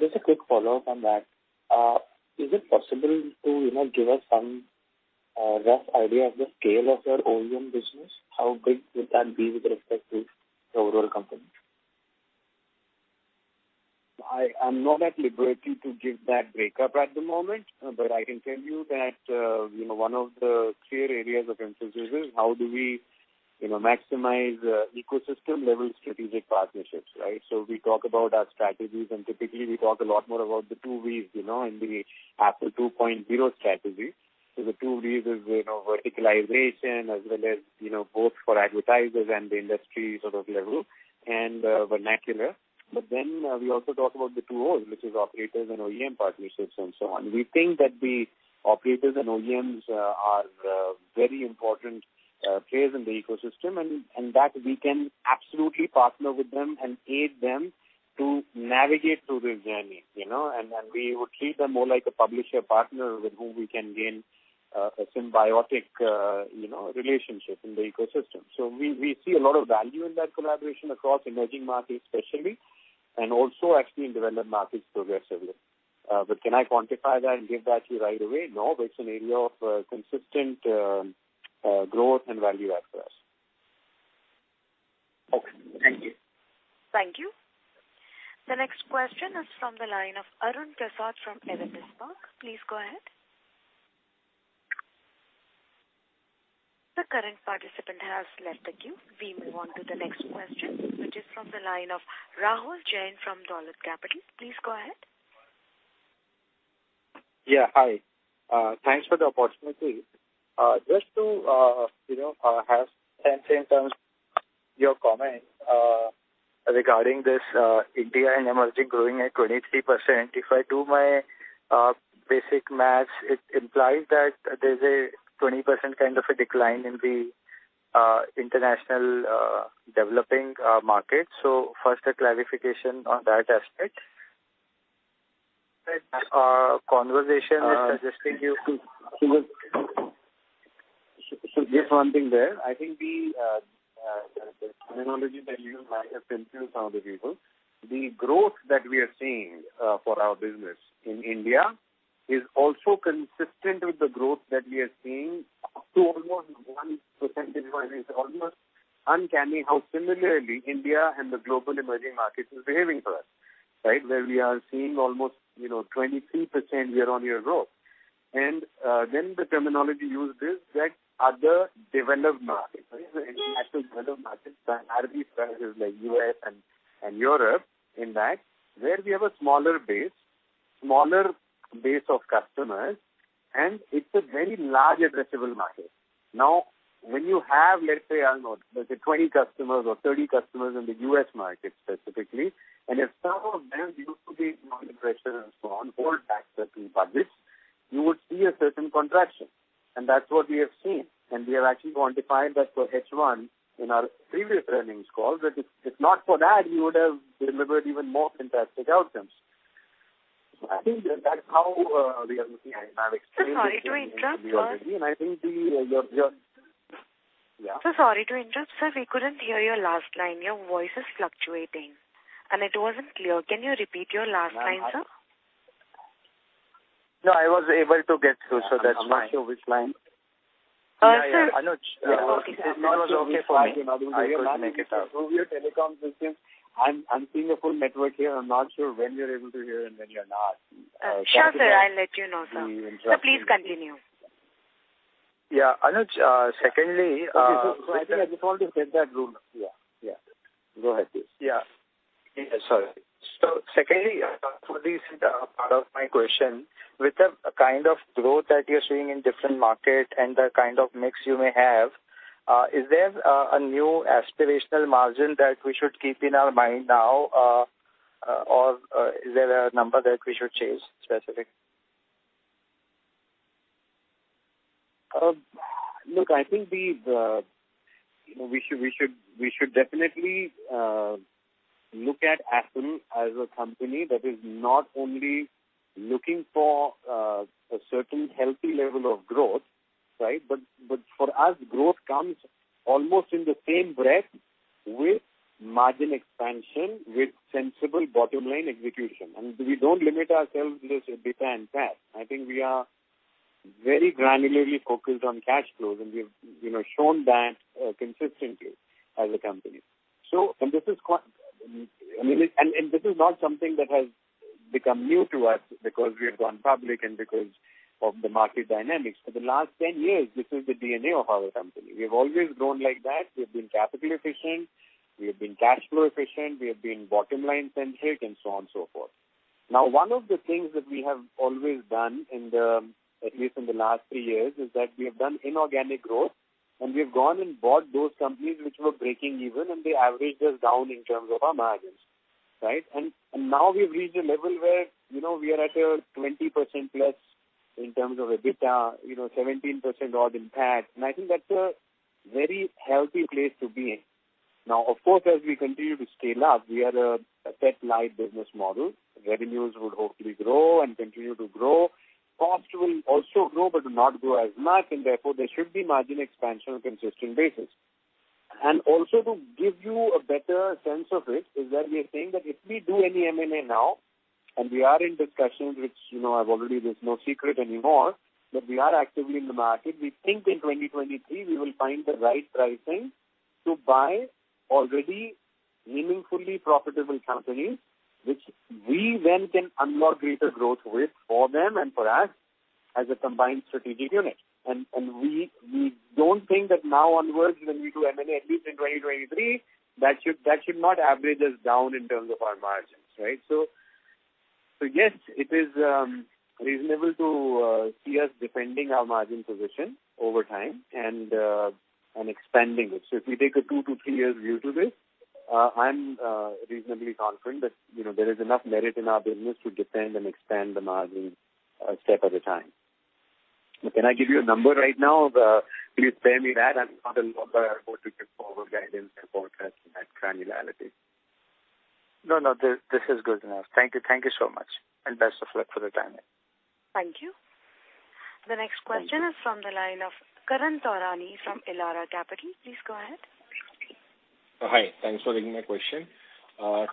Just a quick follow-up on that. Is it possible to, you know, give us some rough idea of the scale of your OEM business? How big would that be with respect to the overall company? I'm not at liberty to give that breakup at the moment, but I can tell you that, you know, one of the clear areas of emphasis is how do we, you know, maximize ecosystem level strategic partnerships, right? We talk about our strategies, and typically we talk a lot more about the two V's, you know, in the Affle 2.0 strategy. The two V's is, you know, verticalization as well as, you know, both for advertisers and the industry sort of level and vernacular. We also talk about the two O's, which is operators and OEM partnerships and so on. We think that the operators and OEMs are very important players in the ecosystem and that we can absolutely partner with them and aid them to navigate through this journey, you know. And we would treat them more like a publisher partner with whom we can gain a symbiotic, you know, relationship in the ecosystem. We see a lot of value in that collaboration across emerging markets especially, and also actually in developed markets progressively. Can I quantify that and give that to you right away? No, but it's an area of consistent growth and value add for us. Okay. Thank you. Thank you. The next question is from the line of Arun Prasad from Edelweiss. Please go ahead. The current participant has left the queue. We move on to the next question, which is from the line of Rahul Jain from Dolat Capital. Please go ahead. Yeah. Hi. thanks for the opportunity. just to, you know, ask Sanjay in terms your comment, regarding this, India and emerging growing at 23%. If I do my, basic math, it implies that there's a 20% kind of a decline in the, international, developing, market. First a clarification on that aspect. Right. Conversation is suggesting. Just one thing there. I think the terminology that you might have confused some of the people. The growth that we are seeing for our business in India is also consistent with the growth that we are seeing up to almost one percentage point. It's almost uncanny how similarly India and the global emerging markets is behaving for us, right? Where we are seeing almost, you know, 23% year-on-year growth. Then the terminology used is that other developed markets, right, the international developed markets, by and large these countries like U.S. and Europe in that, where we have a smaller base, smaller base of customers, and it's a very large addressable market. Now, when you have, let's say, I don't know, let's say 20 customers or 30 customers in the U.S. market specifically, and if some of them used to be non-pressured and so on, all factors we publish, you would see a certain contraction. That's what we have seen. We have actually quantified that for H1 in our previous earnings call, that if not for that, we would have delivered even more fantastic outcomes. I think that's how we are looking at it. I've explained it. Sorry to interrupt, sir. I think Yeah. Sorry to interrupt, sir. We couldn't hear your last line. Your voice is fluctuating and it wasn't clear. Can you repeat your last line, sir? No, I was able to get through, so that's fine. I'm not sure which line. Sir. Yeah, yeah. Anuj. It was okay for me. I could make it out. Through your telecom system. I'm seeing a full network here. I'm not sure when you're able to hear and when you're not. Shall we. Sure, sir. I'll let you know, sir. Sir, please continue. Yeah. Anuj, secondly. I think I just want to get that rule. Yeah. Yeah. Go ahead, please. Yeah. Sorry. Secondly, for this part of my question, with the kind of growth that you're seeing in different market and the kind of mix you may have, is there a new aspirational margin that we should keep in our mind now, or is there a number that we should chase specific? Look, I think we've, you know, we should definitely look at Affle as a company that is not only looking for a certain healthy level of growth. Right. But for us, growth comes almost in the same breath with margin expansion, with sensible bottom line execution. We don't limit ourselves with EBITDA and PAT. I think we are very granularly focused on cash flows, and we have, you know, shown that consistently as a company. I mean, and this is not something that has become new to us because we have gone public and because of the market dynamics. For the last 10 years, this is the DNA of our company. We have always grown like that. We've been capital efficient, we have been cash flow efficient, we have been bottom-line centric and so on and so forth. One of the things that we have always done in the, at least in the last three years, is that we have done inorganic growth, and we've gone and bought those companies which were breaking even, and they averaged us down in terms of our margins, right? Now we've reached a level where, you know, we are at a 20%+ in terms of EBITDA, you know, 17% odd in PAT, and I think that's a very healthy place to be in. Now, of course, as we continue to scale up, we are a set live business model. Revenues would hopefully grow and continue to grow. Cost will also grow but not grow as much, and therefore there should be margin expansion on a consistent basis. Also to give you a better sense of it, is that we are saying that if we do any M&A now, and we are in discussions, which, you know, there's no secret anymore that we are actively in the market. We think in 2023 we will find the right pricing to buy already meaningfully profitable companies, which we then can unlock greater growth with for them and for us as a combined strategic unit. We don't think that now onwards, when we do M&A, at least in 2023, that should not average us down in terms of our margins, right? Yes, it is reasonable to see us defending our margin position over time and expanding it. If we take a 2-3 years view to this, I'm reasonably confident that, you know, there is enough merit in our business to defend and expand the margins, step at a time. Can I give you a number right now? Please bear me that. I'm not at liberty to give forward guidance at that granularity. No, no. This, this is good enough. Thank you. Thank you so much. Best of luck for the timing. Thank you. The next question is from the line of Karan Taurani from Elara Capital. Please go ahead. Hi. Thanks for taking my question.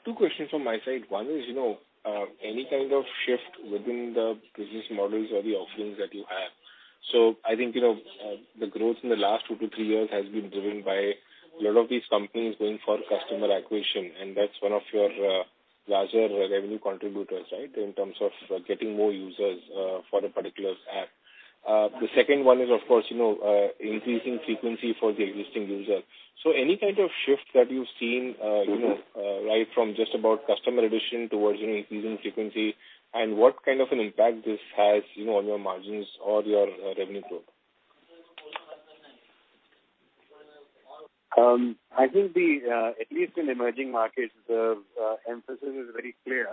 Two questions from my side. One is, you know, any kind of shift within the business models or the offerings that you have. I think, you know, the growth in the last 2-3 years has been driven by a lot of these companies going for customer acquisition, and that's one of your larger revenue contributors, right, in terms of getting more users for a particular app. The second one is, of course, you know, increasing frequency for the existing user. Any kind of shift that you've seen, you know, right from just about customer addition towards, you know, increasing frequency and what kind of an impact this has, you know, on your margins or your revenue growth? I think the, at least in emerging markets, the emphasis is very clear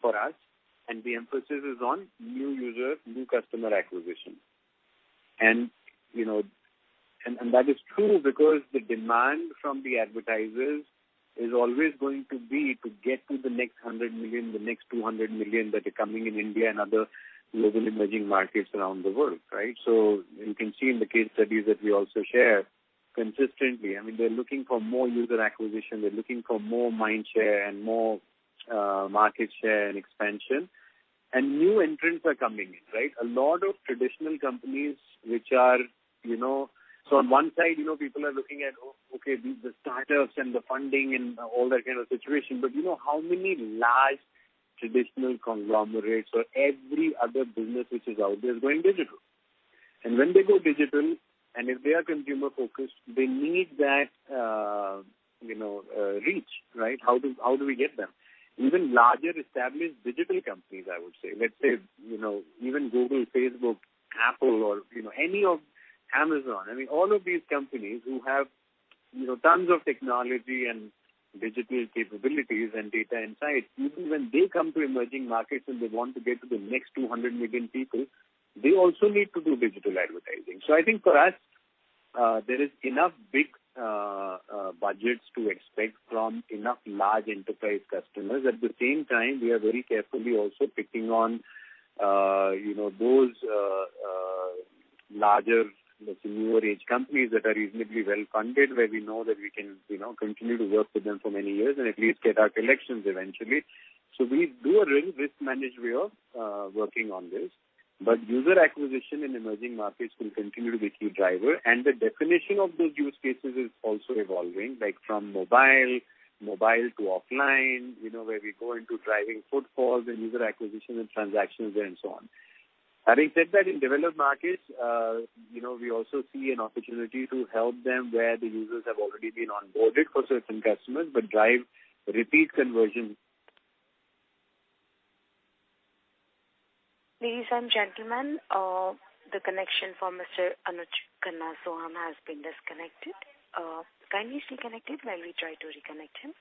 for us, and the emphasis is on new users, new customer acquisition. You know, and that is true because the demand from the advertisers is always going to be to get to the next 100 million, the next 200 million that are coming in India and other global emerging markets around the world, right? You can see in the case studies that we also share consistently, I mean, they're looking for more user acquisition. They're looking for more mind share and more market share and expansion. New entrants are coming in, right? A lot of traditional companies which are, you know. On one side, you know, people are looking at, oh, okay, the startups and the funding and all that kind of situation. You know, how many large traditional conglomerates or every other business which is out there is going digital. When they go digital, and if they are consumer focused, they need that, you know, reach, right? How do we get them? Even larger established digital companies, I would say, let's say, you know, even Google, Facebook, Apple, or, you know, any of Amazon. I mean, all of these companies who have, you know, tons of technology and digital capabilities and data insights, even when they come to emerging markets and they want to get to the next 200 million people, they also need to do digital advertising. I think for us, there is enough big budgets to expect from enough large enterprise customers. At the same time, we are very carefully also picking on, you know, those, larger, let's say, newer age companies that are reasonably well-funded, where we know that we can, you know, continue to work with them for many years and at least get our collections eventually. We do a real risk managed way of working on this. User acquisition in emerging markets will continue to be key driver, and the definition of those use cases is also evolving, like from mobile to offline, you know, where we go into driving footfall, the user acquisition and transactions there and so on. Having said that, in developed markets, you know, we also see an opportunity to help them where the users have already been onboarded for certain customers, but drive repeat conversions. Ladies and gentlemen, the connection for Mr. Anuj Khanna Sohum has been disconnected. Kindly stay connected while we try to reconnect him.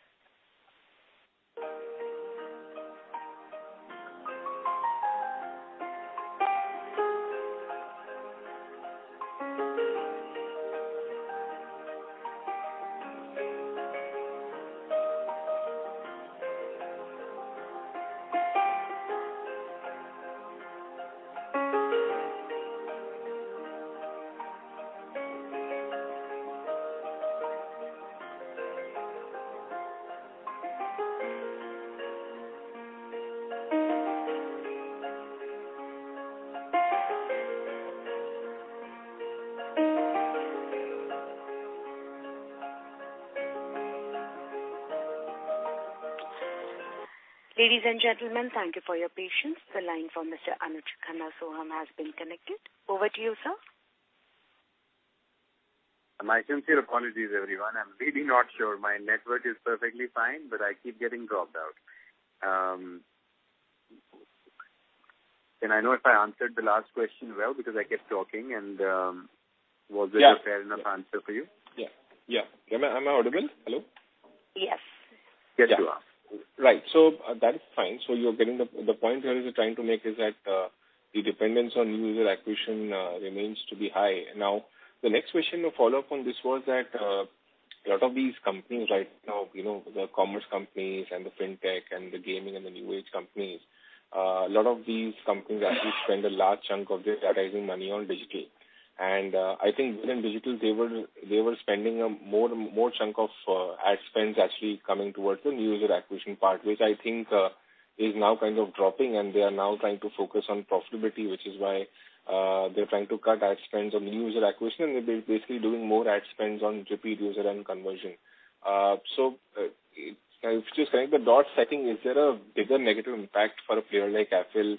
Ladies and gentlemen, thank you for your patience. The line from Mr. Anuj Khanna Sohum has been connected. Over to you, sir. My sincere apologies, everyone. I'm really not sure. My network is perfectly fine, but I keep getting dropped out. I know if I answered the last question well, because I kept talking and, was it a fair enough answer for you? Yeah. Yeah. Am I audible? Hello. Yes. Yes, you are. Right. That is fine. You're getting The point here is we're trying to make is that the dependence on new user acquisition remains to be high. The next question to follow up on this was that a lot of these companies right now, you know, the commerce companies and the fintech and the gaming and the new age companies, a lot of these companies actually spend a large chunk of their advertising money on digital. I think within digital they were spending a more chunk of ad spends actually coming towards the new user acquisition part, which I think is now kind of dropping, and they are now trying to focus on profitability, which is why they're trying to cut ad spends on new user acquisition. They're basically doing more ad spends on repeat user and conversion. It's just connecting the dots, I think. Is there a bigger negative impact for a player like Affle,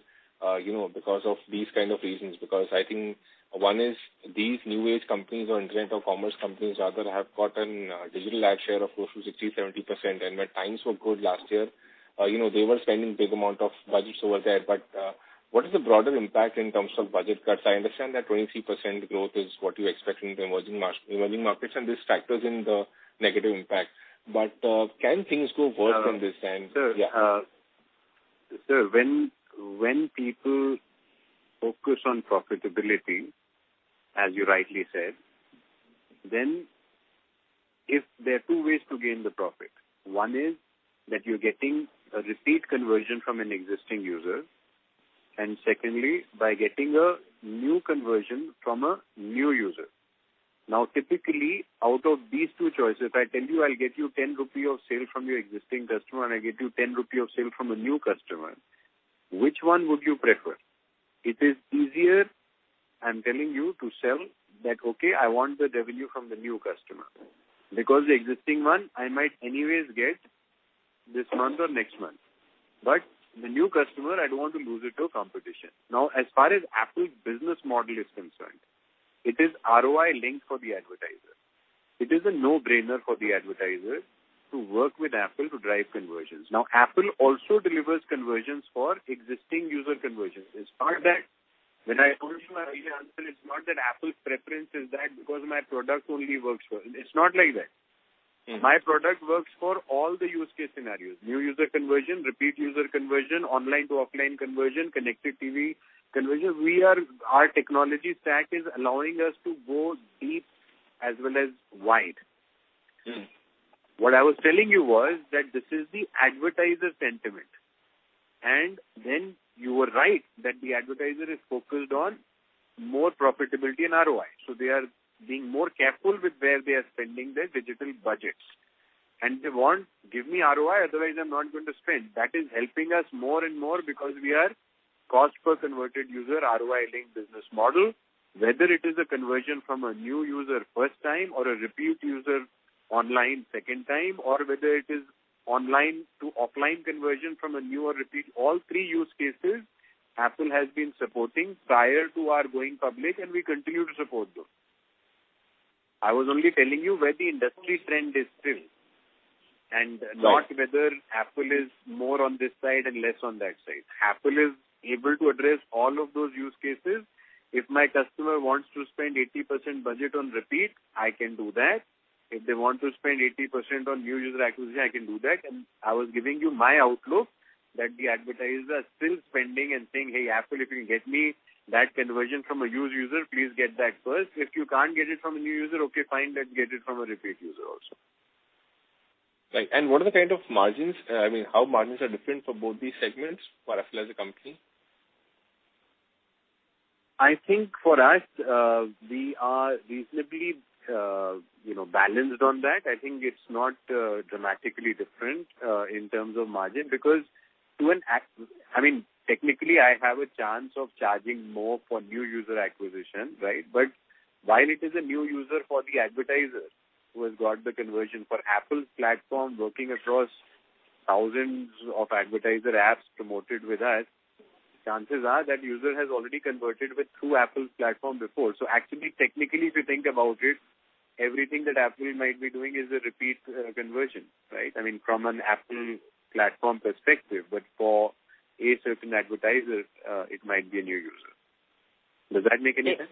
you know, because of these kind of reasons? I think one is these new age companies or internet or commerce companies rather have gotten digital ad share of close to 60%, 70%. When times were good last year, you know, they were spending big amount of budgets over there. What is the broader impact in terms of budget cuts? I understand that 23% growth is what you expect in the emerging markets, and this factors in the negative impact. Can things go worse from this end? Sir, when people focus on profitability, as you rightly said, then if there are two ways to gain the profit. One is that you're getting a repeat conversion from an existing user, and secondly, by getting a new conversion from a new user. Typically, out of these two choices, if I tell you I'll get you 10 rupee of sale from your existing customer, and I get you 10 rupee of sale from a new customer, which one would you prefer? It is easier, I'm telling you to sell that, okay, I want the revenue from the new customer because the existing one I might anyways get this month or next month. The new customer, I don't want to lose it to a competition. As far as Affle's business model is concerned, it is ROI linked for the advertiser. It is a no-brainer for the advertiser to work with Affle to drive conversions. Affle also delivers conversions for existing user conversions. As far as that, when I told you my earlier answer, it's not that Affle's preference is that because my product only works well. It's not like that. Mm-hmm. My product works for all the use case scenarios. New user conversion, repeat user conversion, online to offline conversion, Connected TV conversion. Our technology stack is allowing us to go deep as well as wide. Mm-hmm. What I was telling you was that this is the advertiser sentiment. You were right that the advertiser is focused on more profitability and ROI. They are being more careful with where they are spending their digital budgets. They want, "Give me ROI, otherwise I'm not going to spend." That is helping us more and more because we are cost per converted user, ROI linked business model. Whether it is a conversion from a new user first time or a repeat user online second time, or whether it is online to offline conversion from a new or repeat, all three use cases Affle has been supporting prior to our going public, and we continue to support those. I was only telling you where the industry trend is still, and not whether Affle is more on this side and less on that side. Affle is able to address all of those use cases. If my customer wants to spend 80% budget on repeat, I can do that. If they want to spend 80% on new user acquisition, I can do that. I was giving you my outlook that the advertisers are still spending and saying, "Hey, Affle, if you can get me that conversion from a used user, please get that first. If you can't get it from a new user, okay, fine, then get it from a repeat user also. Right. What are the kind of margins, I mean, how margins are different for both these segments for Affle as a company? I think for us, we are reasonably, you know, balanced on that. I think it's not dramatically different in terms of margin because I mean, technically, I have a chance of charging more for new user acquisition, right? While it is a new user for the advertiser who has got the conversion for Affle's platform working across thousands of advertiser apps promoted with us, chances are that user has already converted with through Affle's platform before. Actually, technically, if you think about it, everything that Affle might be doing is a repeat conversion, right? I mean, from an Affle platform perspective, but for a certain advertiser, it might be a new user. Does that make any sense?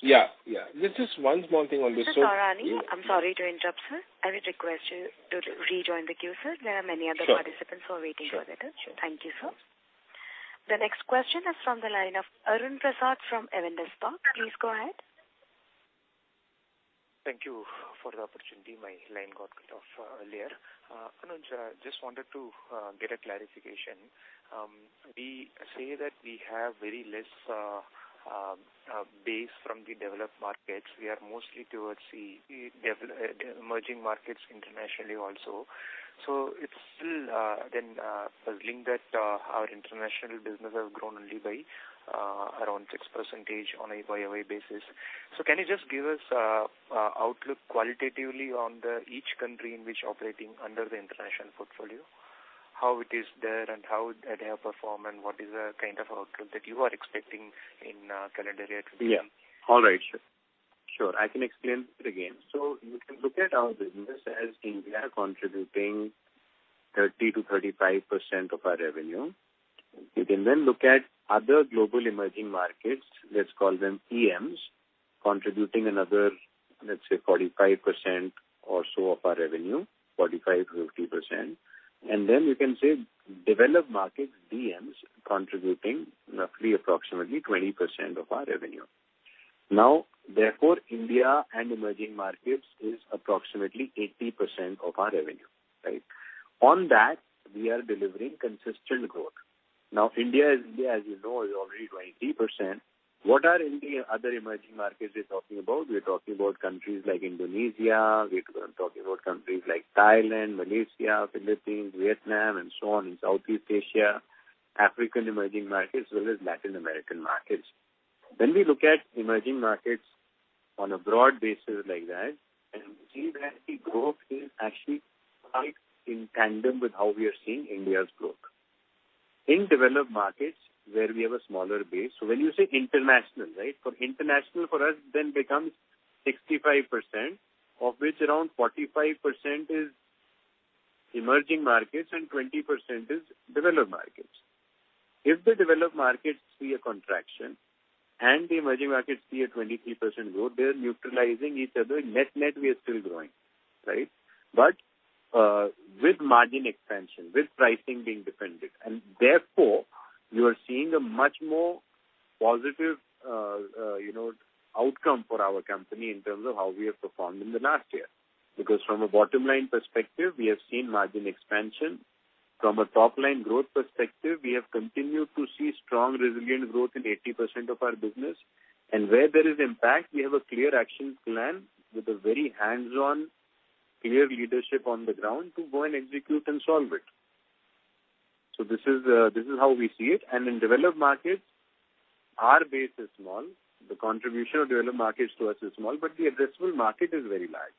Yeah. Yeah. There's just one small thing on this, so- Mr. Taurani, I'm sorry to interrupt, sir. I would request you to rejoin the queue, sir. There are many other participants who are waiting for their turn. Sure. Sure. Thank you, sir. The next question is from the line of Arun Prasad from Edelweiss. Please go ahead. Thank you for the opportunity. My line got cut off earlier. Anuj, just wanted to get a clarification. We say that we have very less base from the developed markets. We are mostly towards the emerging markets internationally also. It's still puzzling that our international business has grown only by around 6% on a Y-o-Y basis. Can you just give us outlook qualitatively on the each country in which operating under the international portfolio, how it is there and how did they perform, and what is the kind of outlook that you are expecting in calendar year 2023? Yeah. All right. Sure. Sure. I can explain it again. You can look at our business as India contributing 30%-35% of our revenue. Look at other global emerging markets, let's call them EMs, contributing another, let's say, 45% or so of our revenue, 45%-50%. We can say developed markets, DMs, contributing roughly approximately 20% of our revenue. India and emerging markets is approximately 80% of our revenue. Right? On that, we are delivering consistent growth. India is, as you know, already 20%. What are India other emerging markets we're talking about? We're talking about countries like Indonesia. We're talking about countries like Thailand, Malaysia, Philippines, Vietnam and so on in Southeast Asia, African emerging markets, as well as Latin American markets. When we look at emerging markets on a broad basis like that, and we've seen that the growth is actually quite in tandem with how we are seeing India's growth. In developed markets, where we have a smaller base. When you say international, right? For international for us then becomes 65%, of which around 45% is emerging markets and 20% is developed markets. If the developed markets see a contraction and the emerging markets see a 23% growth, they are neutralizing each other. Net-net, we are still growing, right? With margin expansion, with pricing being defended, and therefore you are seeing a much more positive, you know, outcome for our company in terms of how we have performed in the last year. Because from a bottom-line perspective, we have seen margin expansion. From a top-line growth perspective, we have continued to see strong resilient growth in 80% of our business. Where there is impact, we have a clear action plan with a very hands-on, clear leadership on the ground to go and execute and solve it. This is how we see it. In developed markets, our base is small. The contribution of developed markets to us is small, but the addressable market is very large.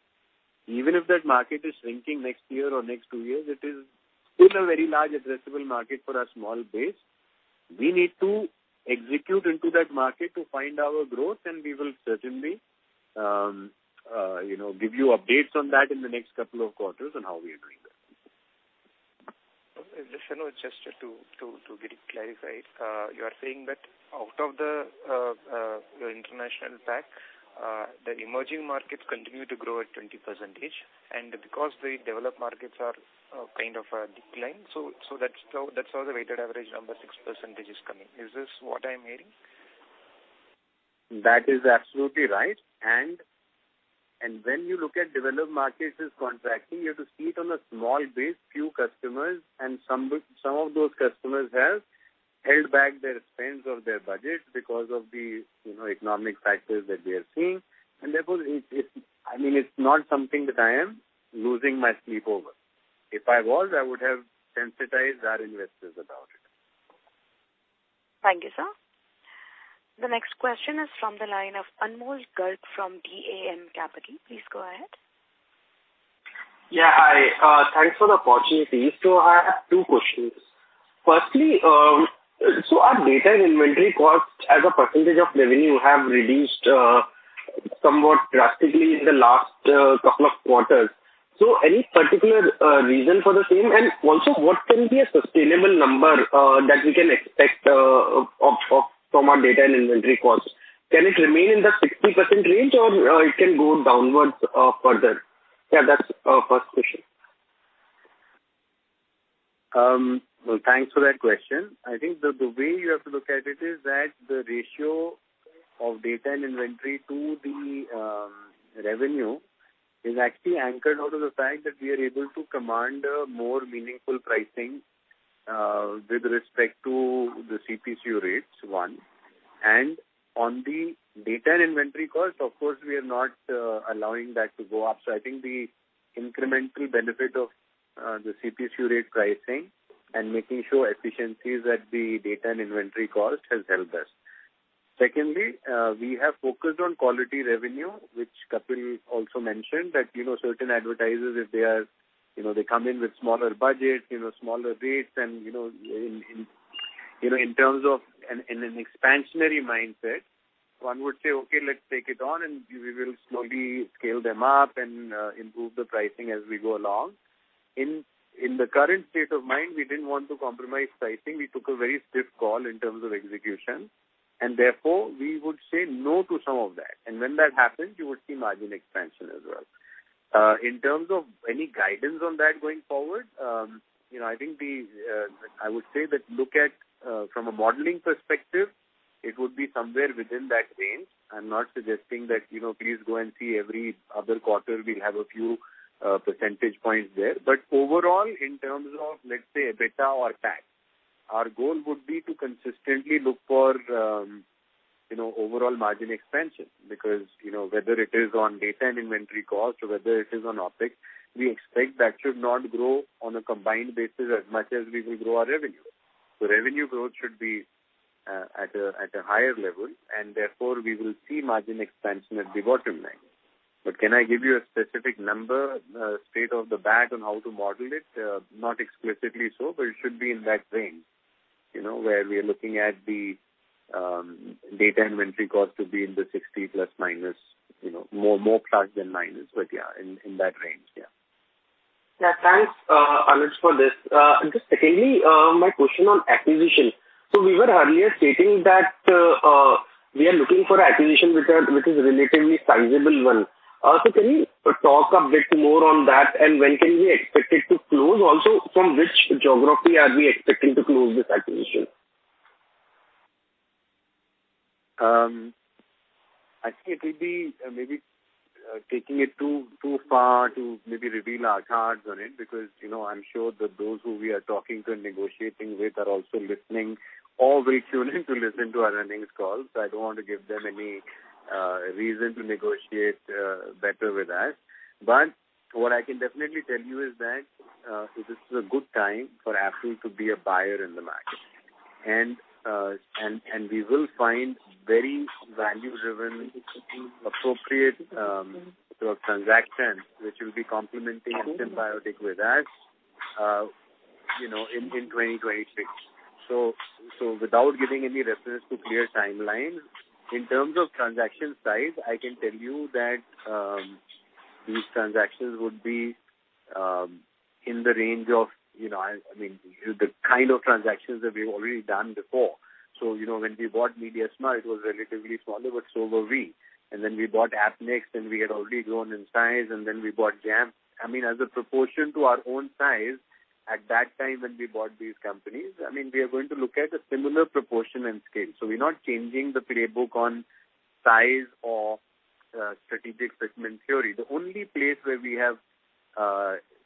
Even if that market is shrinking next year or next two years, it is still a very large addressable market for a small base. We need to execute into that market to find our growth, and we will certainly, you know, give you updates on that in the next couple of quarters on how we are doing that. Just, you know, just to get it clarified. You are saying that out of the international pack, the emerging markets continue to grow at 20%, because the developed markets are kind of declined, that's how the weighted average number 6% is coming. Is this what I'm hearing? That is absolutely right. When you look at developed markets is contracting, you have to see it on a small base, few customers and some of those customers have held back their spends of their budgets because of the, you know, economic factors that we are seeing. Therefore, I mean, it's not something that I am losing my sleep over. If I was, I would have sensitized our investors about it. Thank you, sir. The next question is from the line of Anmol Garg from DAM Capital. Please go ahead. Hi, thanks for the opportunity. I have two questions. Firstly, our data and inventory costs as a percentage of revenue have reduced somewhat drastically in the last couple of quarters. Any particular reason for the same? Also, what can be a sustainable number that we can expect of, from our data and inventory costs? Can it remain in the 60% range or it can go downwards further? That's our first question. Well, thanks for that question. I think the way you have to look at it is that the ratio of data and inventory to the revenue is actually anchored out of the fact that we are able to command a more meaningful pricing with respect to the CPCU rates, one. On the data and inventory costs, of course, we are not allowing that to go up. I think the incremental benefit of the CPCU rate pricing and making sure efficiencies at the data and inventory cost has helped us. Secondly, we have focused on quality revenue, which Kapil also mentioned that certain advertisers, if they are, they come in with smaller budgets, smaller rates and in an expansionary mindset, one would say, "Okay, let's take it on, and we will slowly scale them up and improve the pricing as we go along." In the current state of mind, we didn't want to compromise pricing. We took a very stiff call in terms of execution, and therefore we would say no to some of that. When that happens, you would see margin expansion as well. In terms of any guidance on that going forward, I think I would say that from a modeling perspective, it would be somewhere within that range. I'm not suggesting that, you know, please go and see every other quarter, we'll have a few percentage points there. Overall, in terms of, let's say, EBITDA or tax, our goal would be to consistently look for, you know, overall margin expansion. You know, whether it is on data and inventory costs or whether it is on OpEx, we expect that should not grow on a combined basis as much as we will grow our revenue. The revenue growth should be at a higher level, therefore, we will see margin expansion at the bottom line. Can I give you a specific number straight off the bat on how to model it? Not explicitly so, but it should be in that range, you know, where we are looking at the data inventory cost to be in the 60 plus minus, you know, more plus than minus, but yeah, in that range. Yeah. Yeah. Thanks, Anuj, for this. Just secondly, my question on acquisitions. We were earlier stating that we are looking for acquisition which is relatively sizable one. Can you talk a bit more on that and when can we expect it to close also, from which geography are we expecting to close this acquisition? I think it will be maybe taking it too far to maybe reveal our cards on it, because, you know, I'm sure that those who we are talking to and negotiating with are also listening or will tune in to listen to our earnings call, so I don't want to give them any reason to negotiate better with us. What I can definitely tell you is that, this is a good time for Affle to be a buyer in the market. And we will find very value-driven, appropriate, sort of transactions which will be complementing and symbiotic with us, you know, in 2023. Without giving any reference to clear timelines, in terms of transaction size, I can tell you that these transactions would be in the range of, you know, I mean, the kind of transactions that we've already done before. You know, when we bought MediaSmart, it was relatively smaller, but so were we. Then we bought Appnext, and we had already grown in size, then we bought Jampp. I mean, as a proportion to our own size at that time when we bought these companies, I mean, we are going to look at a similar proportion and scale. We're not changing the playbook on size or strategic fitment theory. The only place where we have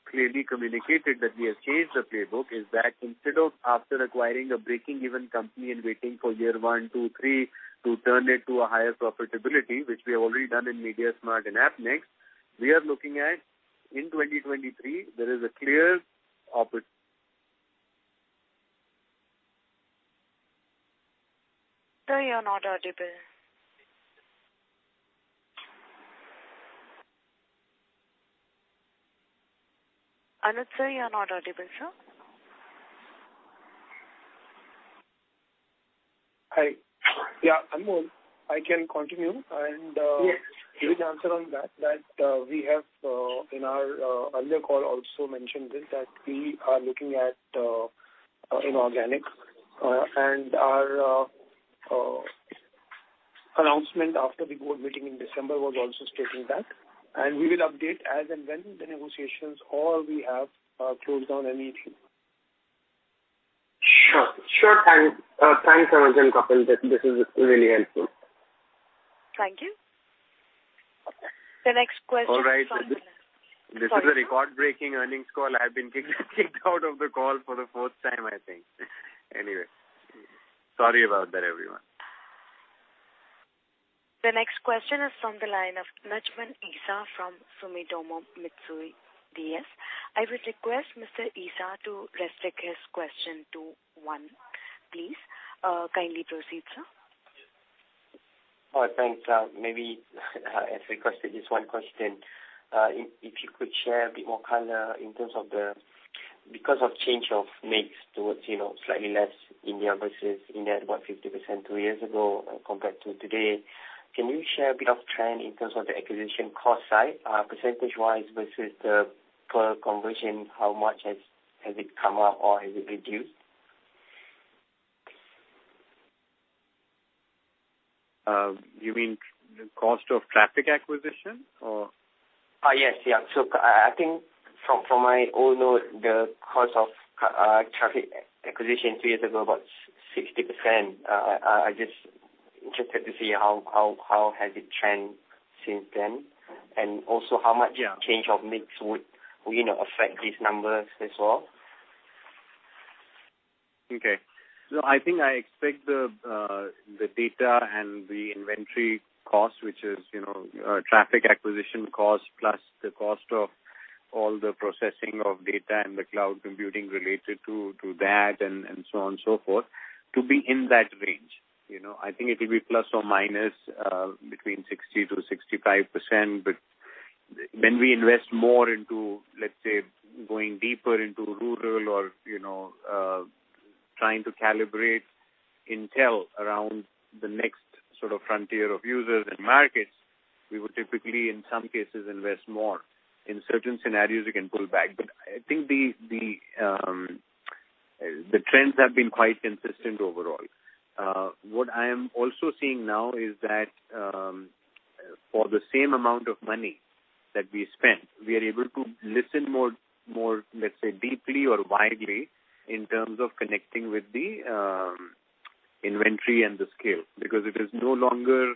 clearly communicated that we have changed the playbook is that instead of after acquiring a breaking even company and waiting for year one, two, three to turn it to a higher profitability, which we have already done in MediaSmart and Appnext, we are looking at in 2023, there is a clear. Sir, you are not audible. Anuj, sir, you are not audible, sir. Hi. Yeah, I'm on. I can continue and. Yes. Give the answer on that, we have in our earlier call also mentioned this, that we are looking at inorganic. Our announcement after the board meeting in December was also stating that. We will update as and when the negotiations or we have closed on anything. Sure. Thanks, Anuj and Kapil. This is really helpful. Thank you. The next question- All right. Sorry. This is a record-breaking earnings call. I have been kicked out of the call for the fourth time, I think. Sorry about that, everyone. The next question is from the line of Najman Issa from Sumitomo Mitsui DS. I would request Mr. Issa to restrict his question to one, please. kindly proceed, sir. Thanks. Maybe, as requested, just one question. If you could share a bit more color in terms of the Because of change of mix towards, you know, slightly less India versus India at what, 50% two years ago compared to today, can you share a bit of trend in terms of the acquisition cost side, percentage-wise versus the per conversion, how much has it come up or has it reduced? You mean the cost of traffic acquisition, or? Yes. I think from my own note, the cost of traffic acquisition two years ago about 60%. I just interested to see how has it trend since then, and also how much-. Yeah. Change of mix would, you know, affect these numbers as well. I think I expect the data and the inventory cost, which is, you know, traffic acquisition cost plus the cost of all the processing of data and the cloud computing related to that and so on and so forth, to be in that range. You know, I think it will be ±60%-65%. When we invest more into, let's say, going deeper into rural or, you know, trying to calibrate intel around the next sort of frontier of users and markets, we would typically in some cases invest more. In certain scenarios, we can pull back. I think the trends have been quite consistent overall. What I am also seeing now is that, for the same amount of money that we spend, we are able to listen more, let's say, deeply or widely in terms of connecting with the inventory and the scale. It is no longer,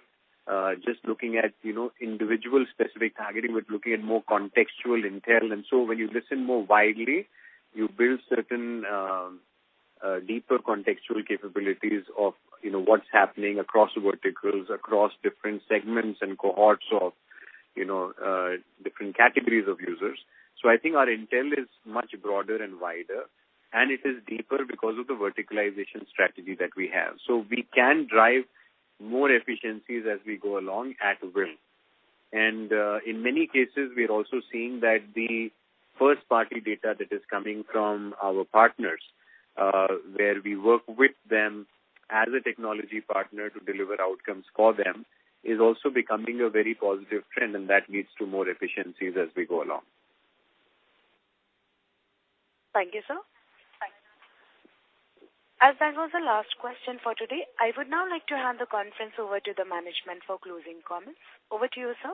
just looking at, you know, individual specific targeting. We're looking at more contextual intel. When you listen more widely, you build certain deeper contextual capabilities of, you know, what's happening across verticals, across different segments and cohorts of, you know, different categories of users. I think our intel is much broader and wider, and it is deeper because of the verticalization strategy that we have. We can drive more efficiencies as we go along at will. In many cases, we are also seeing that the first-party data that is coming from our partners, where we work with them as a technology partner to deliver outcomes for them, is also becoming a very positive trend. That leads to more efficiencies as we go along. Thank you, sir. As that was the last question for today, I would now like to hand the conference over to the management for closing comments. Over to you, sir.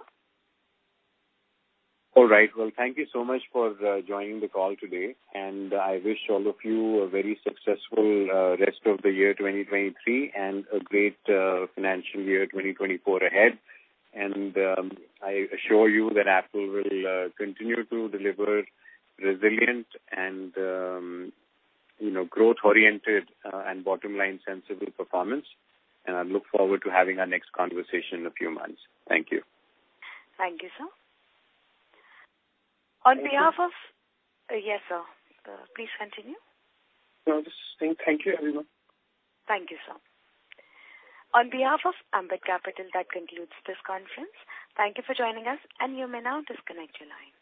All right. Well, thank you so much for joining the call today. I wish all of you a very successful rest of the year 2023 and a great financial year 2024 ahead. I assure you that Affle will continue to deliver resilient and, you know, growth-oriented and bottom-line sensible performance. I look forward to having our next conversation in a few months. Thank you. Thank you, sir. On behalf of... Yes, sir. Please continue. No, I'm just saying thank you, everyone. Thank you, sir. On behalf of Ambit Capital, that concludes this conference. Thank you for joining us. You may now disconnect your lines.